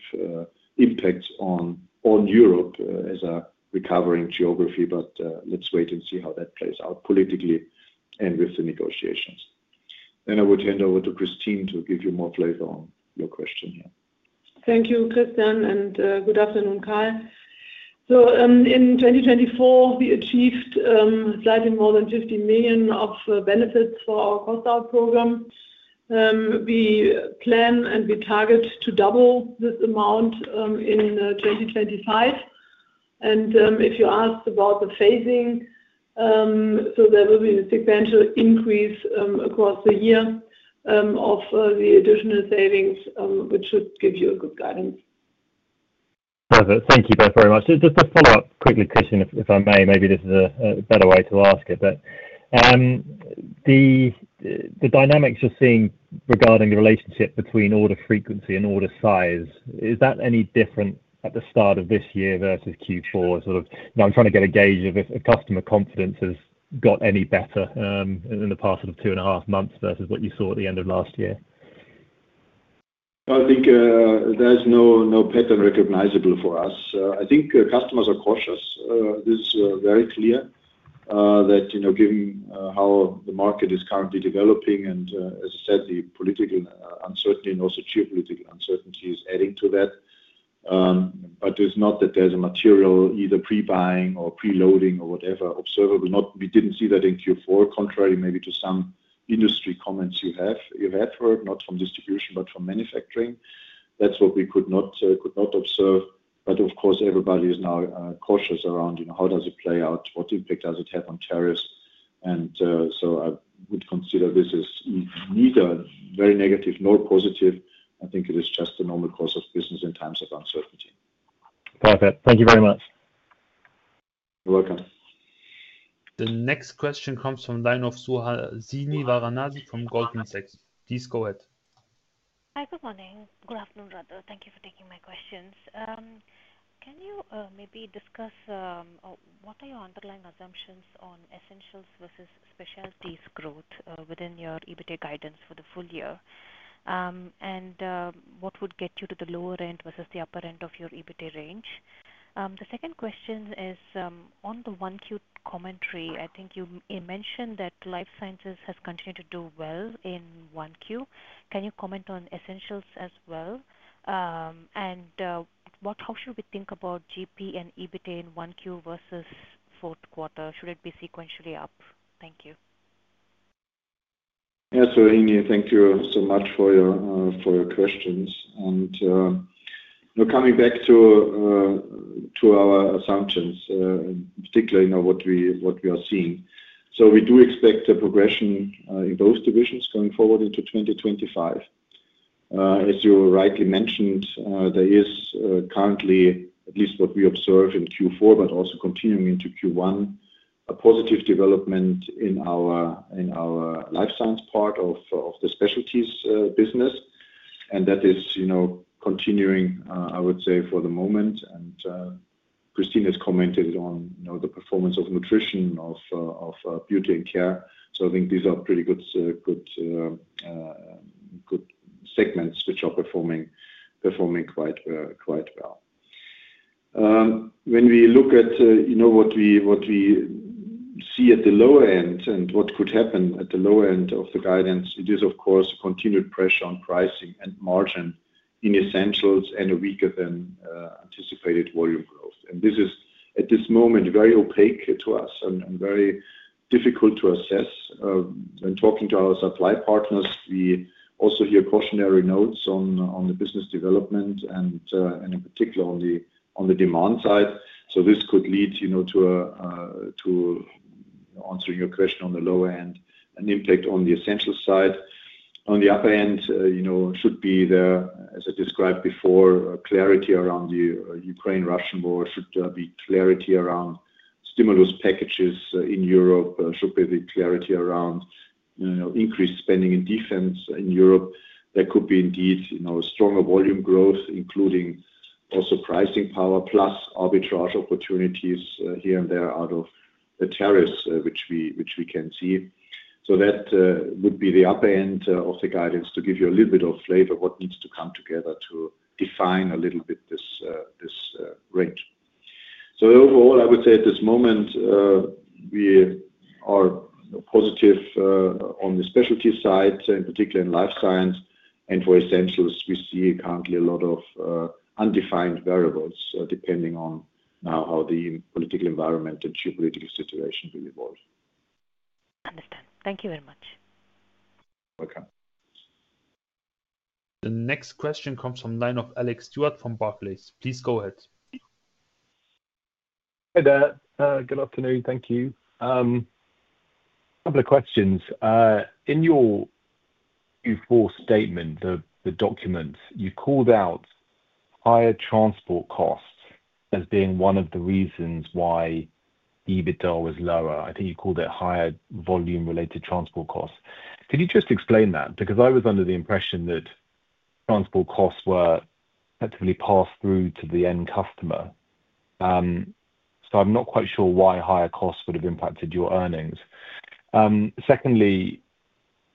impacts on Europe as a recovering geography. Let's wait and see how that plays out politically and with the negotiations. I would hand over to Kristin to give you more flavor on your question here. Thank you, Christian, and good afternoon, Carl. In 2024, we achieved slightly more than 50 million of benefits for our cost-out program. We plan and we target to double this amount in 2025. If you asked about the phasing, there will be a sequential increase across the year of the additional savings, which should give you a good guidance. Perfect. Thank you both very much. Just a follow-up quickly, Kristin, if I may. Maybe this is a better way to ask it. The dynamics you're seeing regarding the relationship between order frequency and order size, is that any different at the start of this year versus Q4? Sort of I'm trying to get a gauge of if customer confidence has got any better in the past sort of two and a half months versus what you saw at the end of last year. I think there's no pattern recognizable for us. I think customers are cautious. This is very clear that given how the market is currently developing and, as I said, the political uncertainty and also geopolitical uncertainty is adding to that. It is not that there is a material either pre-buying or pre-loading or whatever observable. We did not see that in Q4, contrary maybe to some industry comments you had heard, not from distribution, but from manufacturing. That is what we could not observe. Of course, everybody is now cautious around how does it play out, what impact does it have on tariffs. I would consider this as neither very negative nor positive. I think it is just a normal course of business in times of uncertainty. Perfect. Thank you very much. You are welcome. The next question comes from the line of Suhasini Varanasi from Goldman Sachs. Please go ahead. Hi. Good morning. Good afternoon, brother. Thank you for taking my questions. Can you maybe discuss what are your underlying assumptions on Essentials versus Specialties growth within your EBITDA guidance for the full year? And what would get you to the lower end versus the upper end of your EBITDA range? The second question is on the Q1 commentary. I think you mentioned that Life Sciences has continued to do well in Q1. Can you comment on Essentials as well? And how should we think about GP and EBITDA in Q1 versus fourth quarter? Should it be sequentially up? Thank you. Yes, thank you so much for your questions. Coming back to our assumptions, particularly what we are seeing. We do expect a progression in both divisions going forward into 2025. As you rightly mentioned, there is currently, at least what we observe in Q4, but also continuing into Q1, a positive development in our Life Science part of the Specialties business. That is continuing, I would say, for the moment. Kristin has commented on the performance of Nutrition, of Beauty and Care. I think these are pretty good segments which are performing quite well. When we look at what we see at the lower end and what could happen at the lower end of the guidance, it is, of course, continued pressure on pricing and margin in Essentials and weaker than anticipated volume growth. This is, at this moment, very opaque to us and very difficult to assess. When talking to our supply partners, we also hear cautionary notes on the business development and in particular on the demand side. This could lead to, answering your question, on the lower end, an impact on the Essentials side. On the upper end, it should be there, as I described before, clarity around the Ukraine-Russian war. Should there be clarity around stimulus packages in Europe? Should there be clarity around increased spending in defense in Europe? There could be indeed stronger volume growth, including also pricing power, plus arbitrage opportunities here and there out of the tariffs, which we can see. That would be the upper end of the guidance to give you a little bit of flavor of what needs to come together to define a little bit this range. Overall, I would say at this moment, we are positive on the specialty side, in particular in Life Science. For Essentials, we see currently a lot of undefined variables depending on how the political environment and geopolitical situation will evolve. Understood. Thank you very much. You're welcome. The next question comes from the line of Alex Stewart from Barclays. Please go ahead. Hey, there. Good afternoon. Thank you. A couple of questions. In your Q4 statement, the document, you called out higher transport costs as being one of the reasons why EBITDA was lower. I think you called it higher volume-related transport costs. Could you just explain that? Because I was under the impression that transport costs were effectively passed through to the end customer. I am not quite sure why higher costs would have impacted your earnings. Secondly,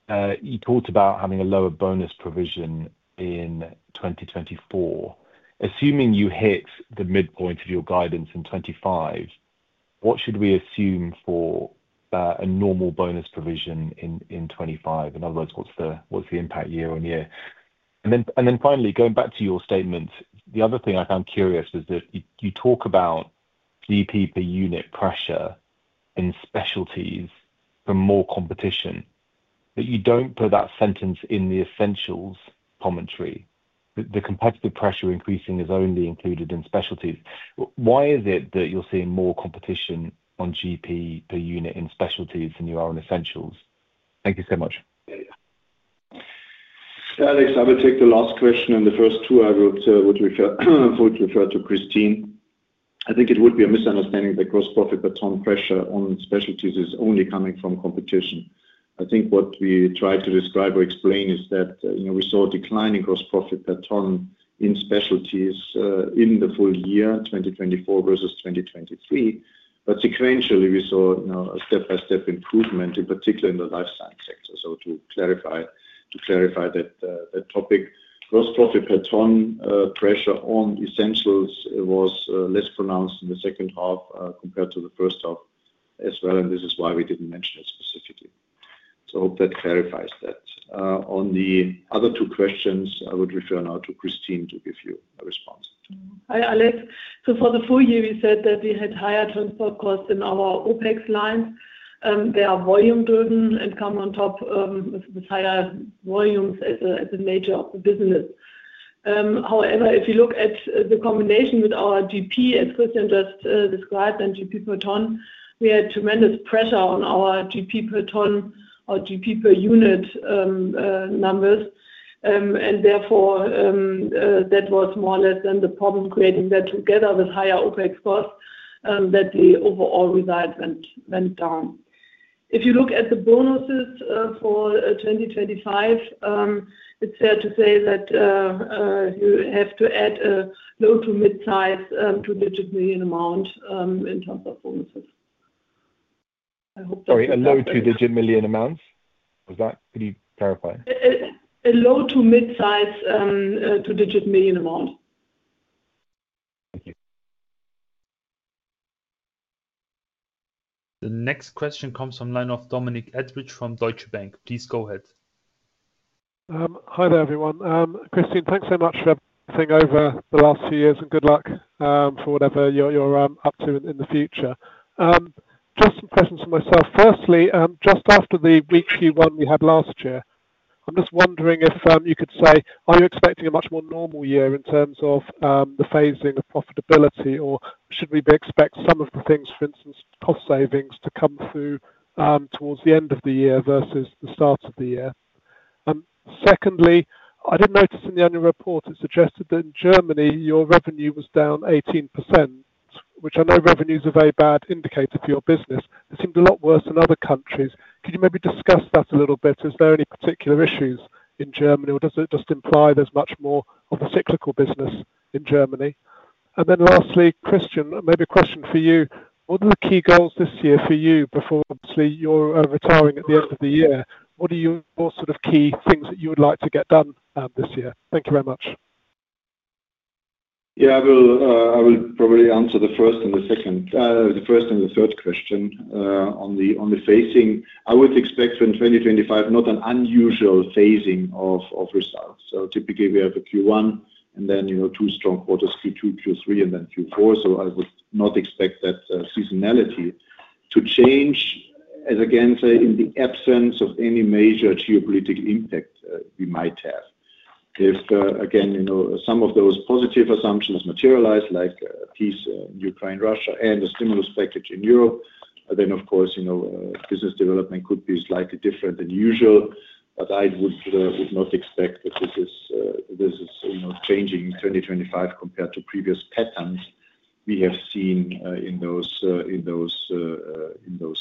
you talked about having a lower bonus provision in 2024. Assuming you hit the midpoint of your guidance in 2025, what should we assume for a normal bonus provision in 2025? In other words, what's the impact year on year? Finally, going back to your statement, the other thing I found curious was that you talk about GP per unit pressure in specialties for more competition, but you don't put that sentence in the Essentials commentary. The competitive pressure increasing is only included in Specialties. Why is it that you're seeing more competition on GP per unit in specialties than you are on Essentials? Thank you so much. Yeah. Thanks. I would take the last question. The first two, I would refer to Kristin. I think it would be a misunderstanding that gross profit per ton pressure on Specialties is only coming from competition. I think what we tried to describe or explain is that we saw a decline in gross profit per ton in Specialties in the full year, 2024 versus 2023. Sequentially, we saw a step-by-step improvement, in particular in the Life Science sector. To clarify that topic, gross profit per ton pressure on Essentials was less pronounced in the second half compared to the first half as well. This is why we did not mention it specifically. I hope that clarifies that. On the other two questions, I would refer now to Kristin to give you a response. Hi, Alex. For the full year, we said that we had higher transport costs in our OpEx lines. They are volume-driven and come on top with higher volumes as a major of the business. However, if you look at the combination with our GP, as Christian just described, and GP per ton, we had tremendous pressure on our GP per ton or GP per unit numbers. Therefore, that was more or less the problem creating that together with higher OpEx costs, that the overall result went down. If you look at the bonuses for 2025, it's fair to say that you have to add a low to mid-size two-digit million amount in terms of bonuses. I hope that's clear. Sorry. A low two-digit million amount? Could you clarify? A low to mid-size two-digit million amount. Thank you. The next question comes from the line of Dominic Edridge from Deutsche Bank. Please go ahead. Hi there, everyone. Kristin, thanks so much for everything over the last few years. Good luck for whatever you're up to in the future. Just some questions for myself. Firstly, just after the weak Q1 we had last year, I'm just wondering if you could say, are you expecting a much more normal year in terms of the phasing of profitability, or should we expect some of the things, for instance, cost savings, to come through towards the end of the year versus the start of the year? Secondly, I did notice in the annual report it suggested that in Germany, your revenue was down 18%, which I know revenues are a very bad indicator for your business. It seemed a lot worse than other countries. Could you maybe discuss that a little bit? Is there any particular issues in Germany, or does it just imply there's much more of a cyclical business in Germany? Lastly, Christian, maybe a question for you. What are the key goals this year for you? Before, obviously, you're retiring at the end of the year. What are your sort of key things that you would like to get done this year? Thank you very much. Yeah, I will probably answer the first and the second, the first and the third question on the phasing. I would expect in 2025 not an unusual phasing of results. Typically, we have a Q1 and then two strong quarters, Q2, Q3, and then Q4. I would not expect that seasonality to change, again, in the absence of any major geopolitical impact we might have. If, again, some of those positive assumptions materialize, like peace in Ukraine-Russia and the stimulus package in Europe, of course, business development could be slightly different than usual. I would not expect that this is changing in 2025 compared to previous patterns we have seen in those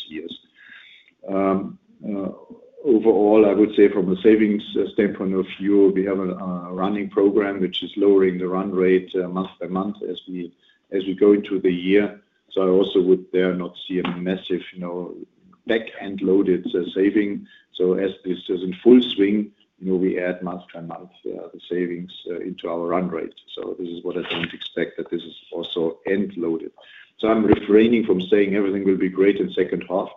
years. Overall, I would say from a savings standpoint of view, we have a running program, which is lowering the run rate month by month as we go into the year. I also would there not see a massive back-end loaded saving. As this is in full swing, we add month by month the savings into our run rate. This is what I do not expect, that this is also end-loaded. I am refraining from saying everything will be great in the second half.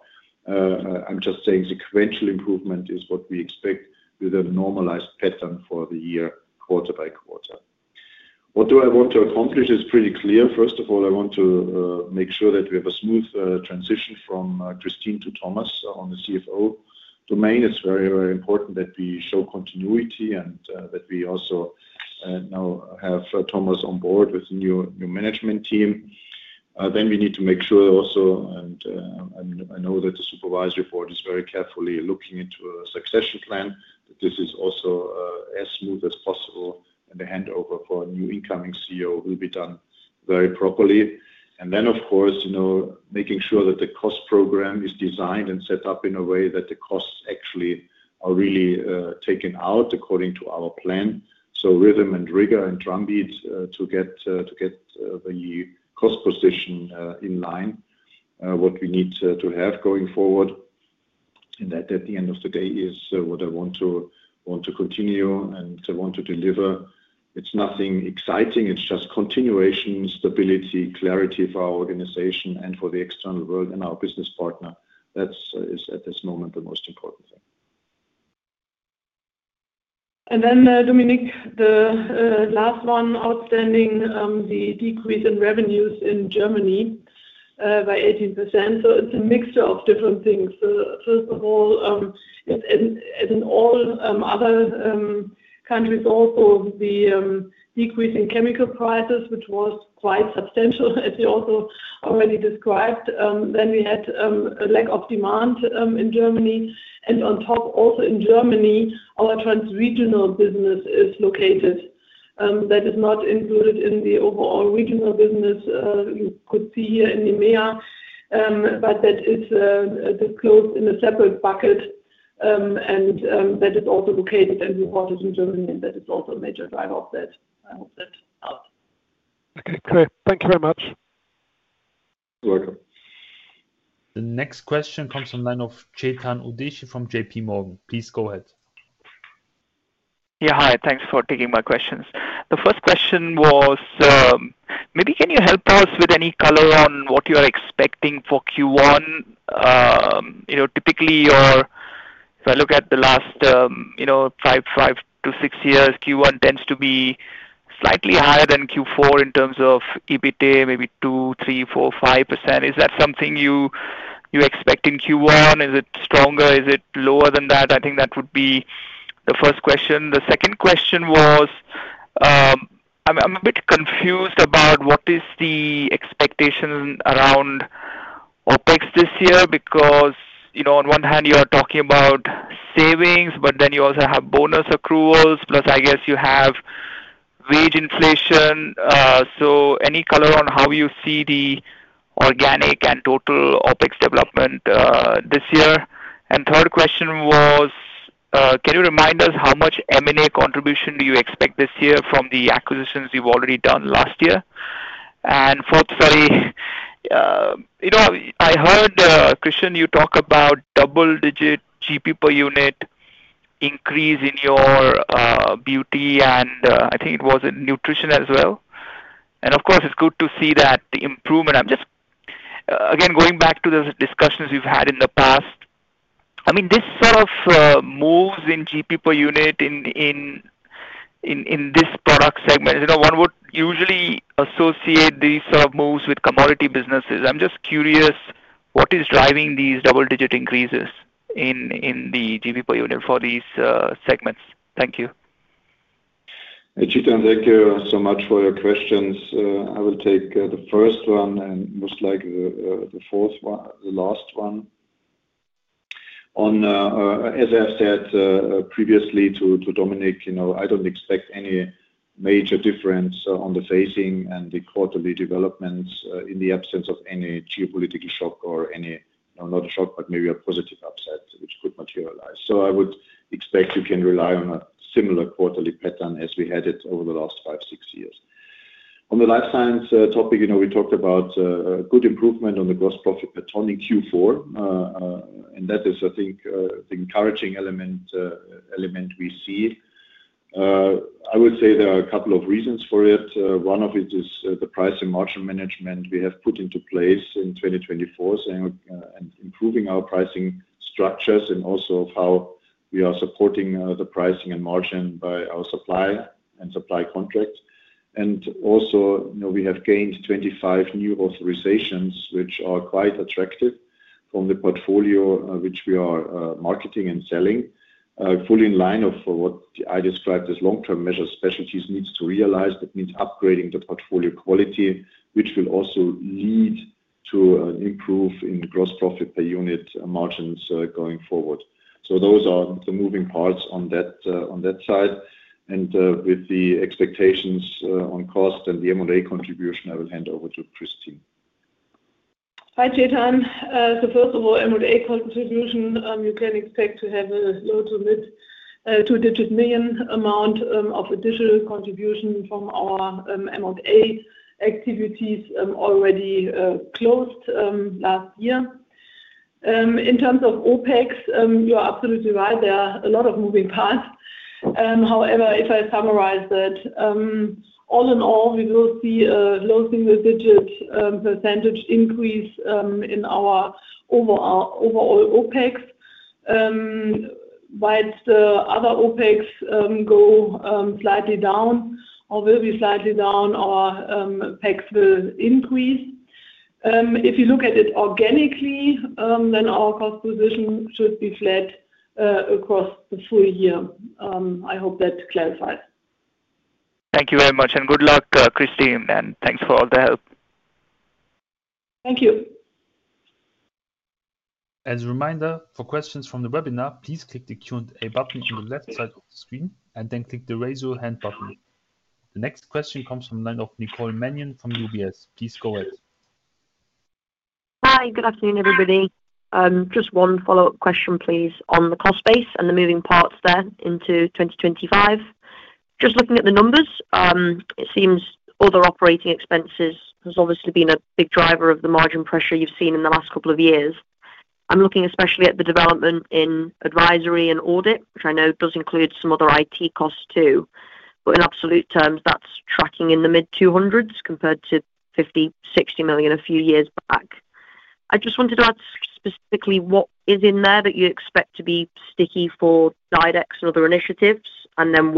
I am just saying sequential improvement is what we expect with a normalized pattern for the year, quarter by quarter. What do I want to accomplish is pretty clear. First of all, I want to make sure that we have a smooth transition from Kristin to Thomas on the CFO domain. is very, very important that we show continuity and that we also now have Thomas on board with the new management team. We need to make sure also, and I know that the supervisory board is very carefully looking into a succession plan, that this is also as smooth as possible. The handover for a new incoming CEO will be done very properly. Of course, making sure that the cost program is designed and set up in a way that the costs actually are really taken out according to our plan. Rhythm and rigor and drumbeat to get the cost position in line, what we need to have going forward. At the end of the day, it is what I want to continue and I want to deliver. It is nothing exciting. It's just continuation, stability, clarity for our organization and for the external world and our business partner. That is, at this moment, the most important thing. Dominic, the last one, outstanding the decrease in revenues in Germany by 18%. It's a mixture of different things. First of all, as in all other countries, also the decrease in chemical prices, which was quite substantial, as you also already described. We had a lack of demand in Germany. On top, also in Germany, our transregional business is located. That is not included in the overall regional business. You could see here in EMEA, but that is disclosed in a separate bucket. That is also located and reported in Germany. That is also a major driver of that. I hope that helps. Okay. Great. Thank you very much. You're welcome. The next question comes from the line of Chetan Udeshi from JPMorgan. Please go ahead. Yeah. Hi. Thanks for taking my questions. The first question was, maybe can you help us with any color on what you are expecting for Q1? Typically, if I look at the last five, five to six years, Q1 tends to be slightly higher than Q4 in terms of EBITDA, maybe 2, 3, 4, 5%. Is that something you expect in Q1? Is it stronger? Is it lower than that? I think that would be the first question. The second question was, I'm a bit confused about what is the expectation around OpEx this year? Because on one hand, you are talking about savings, but then you also have bonus accruals, plus I guess you have wage inflation. Any color on how you see the organic and total OpEx development this year? Third question was, can you remind us how much M&A contribution do you expect this year from the acquisitions you've already done last year? Fourth, sorry, I heard Christian you talk about double-digit GP per unit increase in your Beauty, and I think it was in Nutrition as well. Of course, it's good to see that improvement. Again, going back to the discussions we've had in the past, I mean, this sort of moves in GP per unit in this product segment. One would usually associate these sort of moves with commodity businesses. I'm just curious what is driving these double-digit increases in the GP per unit for these segments. Thank you. Thank you. Thank you so much for your questions. I will take the first one and most likely the last one. As I have said previously to Dominic, I do not expect any major difference on the phasing and the quarterly developments in the absence of any geopolitical shock or any—not a shock, but maybe a positive upside which could materialize. I would expect you can rely on a similar quarterly pattern as we had it over the last five or six years. On Life Science topic, we talked about good improvement on the gross profit per ton in Q4. That is, I think, the encouraging element we see. I would say there are a couple of reasons for it. One of them is the price and margin management we have put into place in 2024 and improving our pricing structures and also how we are supporting the pricing and margin by our supply and supply contract. Also, we have gained 25 new authorizations, which are quite attractive from the portfolio which we are marketing and selling, fully in line with what I described as long-term measures Specialties needs to realize. That means upgrading the portfolio quality, which will also lead to an improvement in gross profit per unit margins going forward. Those are the moving parts on that side. With the expectations on cost and the M&A contribution, I will hand over to Kristin. Hi, Chetan. First of all, M&A contribution, you can expect to have a low to mid two-digit million amount of additional contribution from our M&A activities already closed last year. In terms of OpEx, you're absolutely right. There are a lot of moving parts. However, if I summarize that, all in all, we will see a low single-digit % increase in our overall OpEx. While the other OpEx go slightly down or will be slightly down, our OpEx will increase. If you look at it organically, then our cost position should be flat across the full year. I hope that clarifies. Thank you very much. Good luck, Kristin. Thanks for all the help. Thank you. As a reminder, for questions from the webinar, please click the Q&A button on the left side of the screen and then click the raise your hand button. The next question comes from the line of Nicole Manion from UBS. Please go ahead. Hi. Good afternoon, everybody. Just one follow-up question, please, on the cost base and the moving parts there into 2025. Just looking at the numbers, it seems other operating expenses have obviously been a big driver of the margin pressure you've seen in the last couple of years. I'm looking especially at the development in advisory and audit, which I know does include some other IT costs too. But in absolute terms, that's tracking in the mid-200s compared to 50, 60 million a few years back. I just wanted to ask specifically what is in there that you expect to be sticky for DiDEX and other initiatives, and then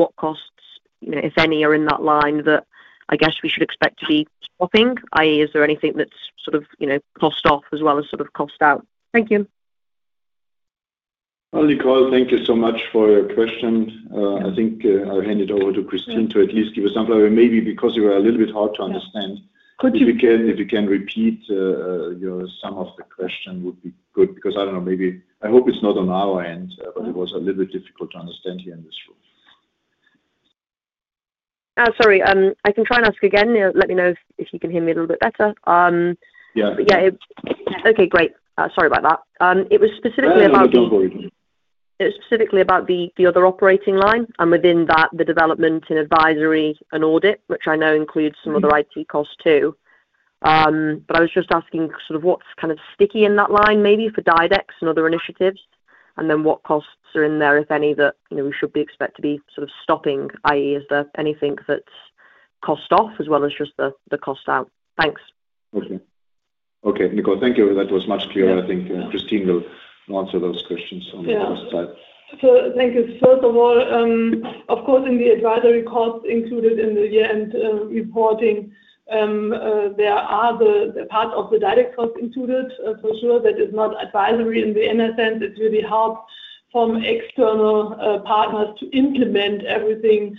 what costs, if any, are in that line that I guess we should expect to be swapping, i.e., is there anything that's sort of one-off as well as sort of cost out? Thank you. Hi, Nicole. Thank you so much for your question. I think I'll hand it over to Kristin to at least give a sample. Maybe because you were a little bit hard to understand. If you can repeat some of the questions, it would be good because I don't know. I hope it's not on our end, but it was a little bit difficult to understand here in this room. Sorry. I can try and ask again. Let me know if you can hear me a little bit better. Yeah. Okay. Great. Sorry about that. It was specifically about the— No, no. Don't worry. It was specifically about the other operating line and within that, the development in advisory and audit, which I know includes some other IT costs too. I was just asking sort of what's kind of sticky in that line maybe for DiDEX and other initiatives, and then what costs are in there, if any, that we should be expect to be sort of stopping, i.e., is there anything that's one-off as well as just the cost out? Thanks. Okay. Okay. Nicole, thank you. That was much clearer. I think Kristin will answer those questions on the other side. Yeah. Thank you. First of all, of course, in the advisory costs included in the year-end reporting, there are the parts of the DiDEX costs included for sure that is not advisory in the NSN. It really helps from external partners to implement everything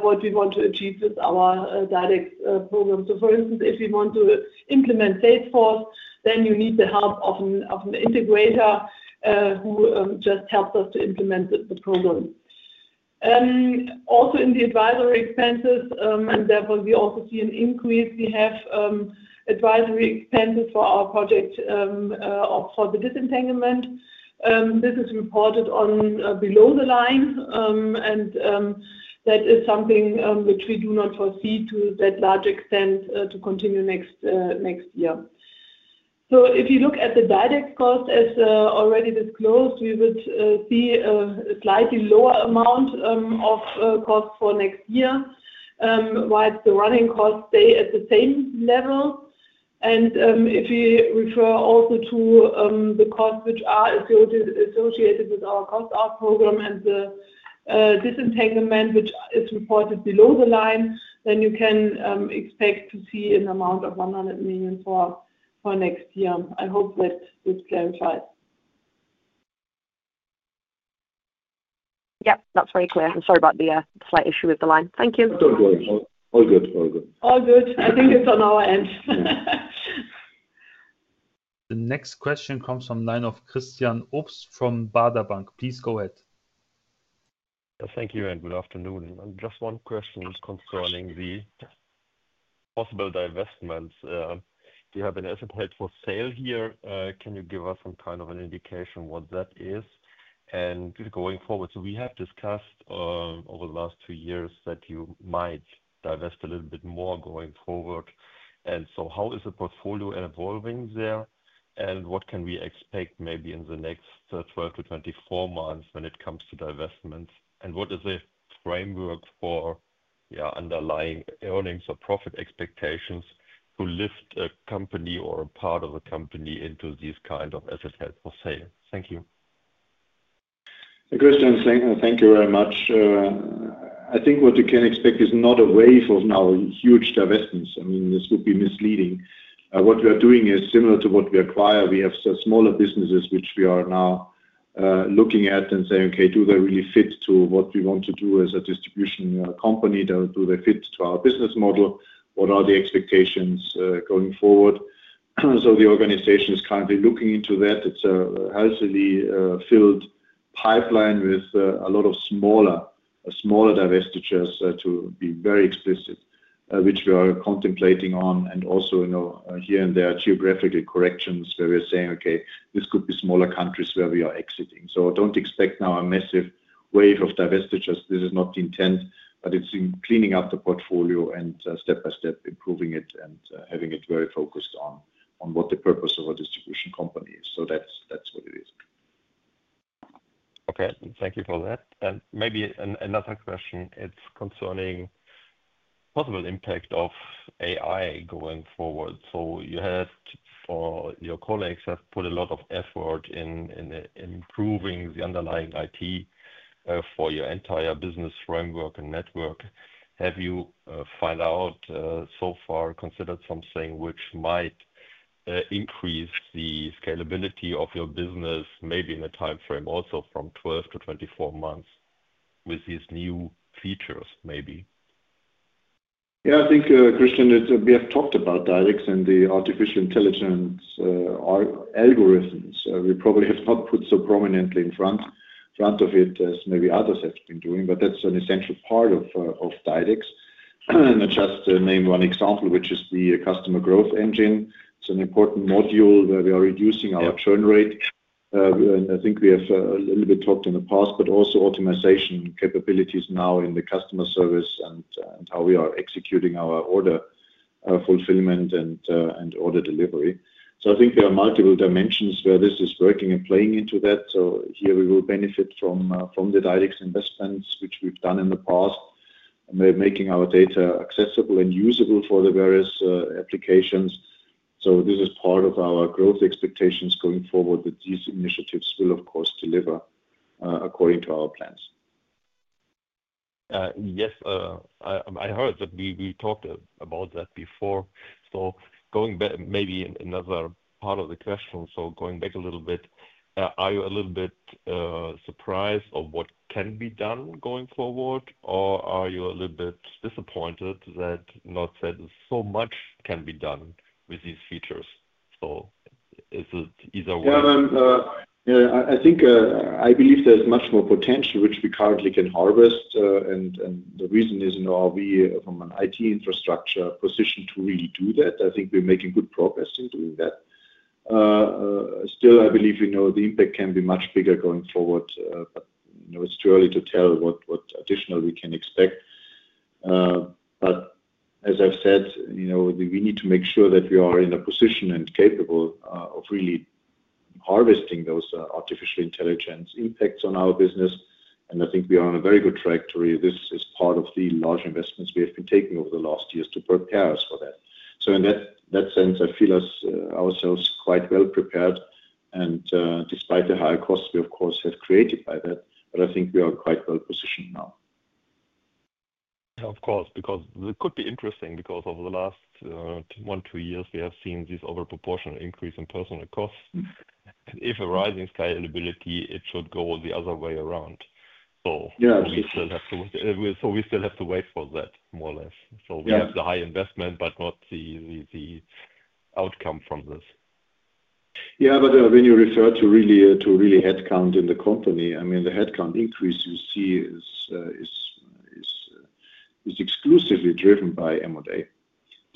what we want to achieve with our DiDEX program. For instance, if you want to implement Salesforce, then you need the help of an integrator who just helps us to implement the program. Also in the advisory expenses, and therefore we also see an increase, we have advisory expenses for our project for the disentanglement. This is reported below the line. That is something which we do not foresee to that large extent to continue next year. If you look at the DiDEX cost as already disclosed, we would see a slightly lower amount of cost for next year, while the running costs stay at the same level. If you refer also to the costs which are associated with our cost-out program and the disentanglement, which is reported below the line, then you can expect to see an amount of 100 million for next year. I hope that this clarifies. Yep. That's very clear. Sorry about the slight issue with the line. Thank you. Don't worry. All good. All good. All good. I think it's on our end. The next question comes from the line of Christian Obst from Baader Bank. Please go ahead. Thank you and good afternoon. Just one question concerning the possible divestments. We have an asset held for sale here. Can you give us some kind of an indication what that is and going forward? We have discussed over the last two years that you might divest a little bit more going forward. How is the portfolio evolving there? What can we expect maybe in the next 12-24 months when it comes to divestments? What is the framework for underlying earnings or profit expectations to lift a company or a part of a company into these kinds of assets held for sale? Thank you. Christian, thank you very much. I think what you can expect is not a wave of now huge divestments. I mean, this would be misleading. What we are doing is similar to what we acquire. We have smaller businesses which we are now looking at and saying, "Okay, do they really fit to what we want to do as a distribution company? Do they fit to our business model? What are the expectations going forward?" The organization is currently looking into that. It is a healthily filled pipeline with a lot of smaller divestitures, to be very explicit, which we are contemplating on. Also here and there geographical corrections where we are saying, "Okay, this could be smaller countries where we are exiting." Do not expect now a massive wave of divestitures. This is not the intent, but it is cleaning up the portfolio and step by step improving it and having it very focused on what the purpose of a distribution company is. That is what it is. Okay. Thank you for that. Maybe another question. It's concerning the possible impact of AI going forward. You had, or your colleagues have put a lot of effort in improving the underlying IT for your entire business framework and network. Have you found out so far considered something which might increase the scalability of your business, maybe in a time frame also from 12 to 24 months with these new features maybe? Yeah. I think, Kristin, we have talked about DiDEX and the artificial intelligence algorithms. We probably have not put so prominently in front of it as maybe others have been doing, but that's an Essential part of DiDEX. Just to name one example, which is the Customer Growth Engine. It's an important module where we are reducing our churn rate. I think we have a little bit talked in the past, but also optimization capabilities now in the customer service and how we are executing our order fulfillment and order delivery. I think there are multiple dimensions where this is working and playing into that. Here we will benefit from the DiDEX investments which we've done in the past, making our data accessible and usable for the various applications. This is part of our growth expectations going forward that these initiatives will, of course, deliver according to our plans. Yes. I heard that we talked about that before. Maybe another part of the question. Going back a little bit, are you a little bit surprised of what can be done going forward, or are you a little bit disappointed that not so much can be done with these features? Is it either way? Yeah. I think I believe there's much more potential which we currently can harvest. The reason is we are from an IT infrastructure position to really do that. I think we're making good progress in doing that. Still, I believe the impact can be much bigger going forward. It's too early to tell what additional we can expect. As I've said, we need to make sure that we are in a position and capable of really harvesting those artificial intelligence impacts on our business. I think we are on a very good trajectory. This is part of the large investments we have been taking over the last years to prepare us for that. In that sense, I feel ourselves quite well prepared. Despite the high costs we, of course, have created by that, I think we are quite well positioned now. Of course, because it could be interesting because over the last one or two years, we have seen this over-proportional increase in personnel costs. If a rising scalability, it should go the other way around. We still have to wait for that, more or less. We have the high investment, but not the outcome from this. Yeah. When you refer to really headcount in the company, I mean, the headcount increase you see is exclusively driven by M&A.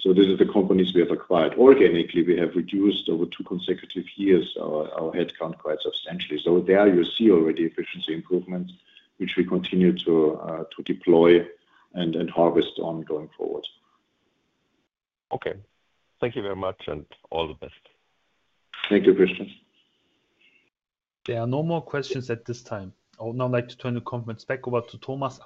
This is the companies we have acquired. Organically, we have reduced over two consecutive years our headcount quite substantially. There you see already efficiency improvements which we continue to deploy and harvest on going forward. Okay. Thank you very much and all the best. Thank you, Christian. There are no more questions at this time. I would now like to turn the conference back over to Thomas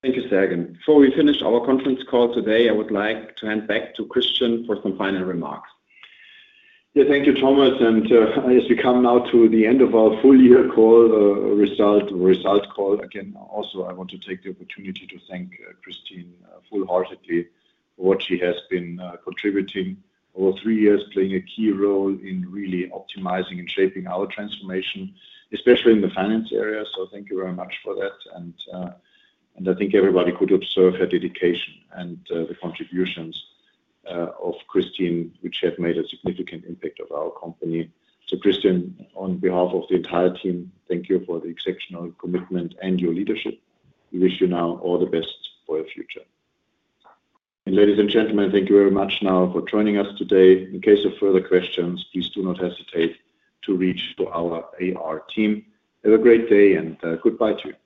Altmann for any closing remarks. Thank you, Sergen. Before we finish our conference call today, I would like to hand back to Kristin for some final remarks. Yeah. Thank you, Thomas. As we come now to the end of our full-year call, result call, again, also I want to take the opportunity to thank Kristin full-heartedly for what she has been contributing over three years, playing a key role in really optimizing and shaping our transformation, especially in the finance area. Thank you very much for that. I think everybody could observe her dedication and the contributions of Kristin, which have made a significant impact on our company. Kristin, on behalf of the entire team, thank you for the exceptional commitment and your leadership. We wish you now all the best for your future. Ladies and gentlemen, thank you very much now for joining us today. In case of further questions, please do not hesitate to reach out to our IR team. Have a great day and goodbye to you.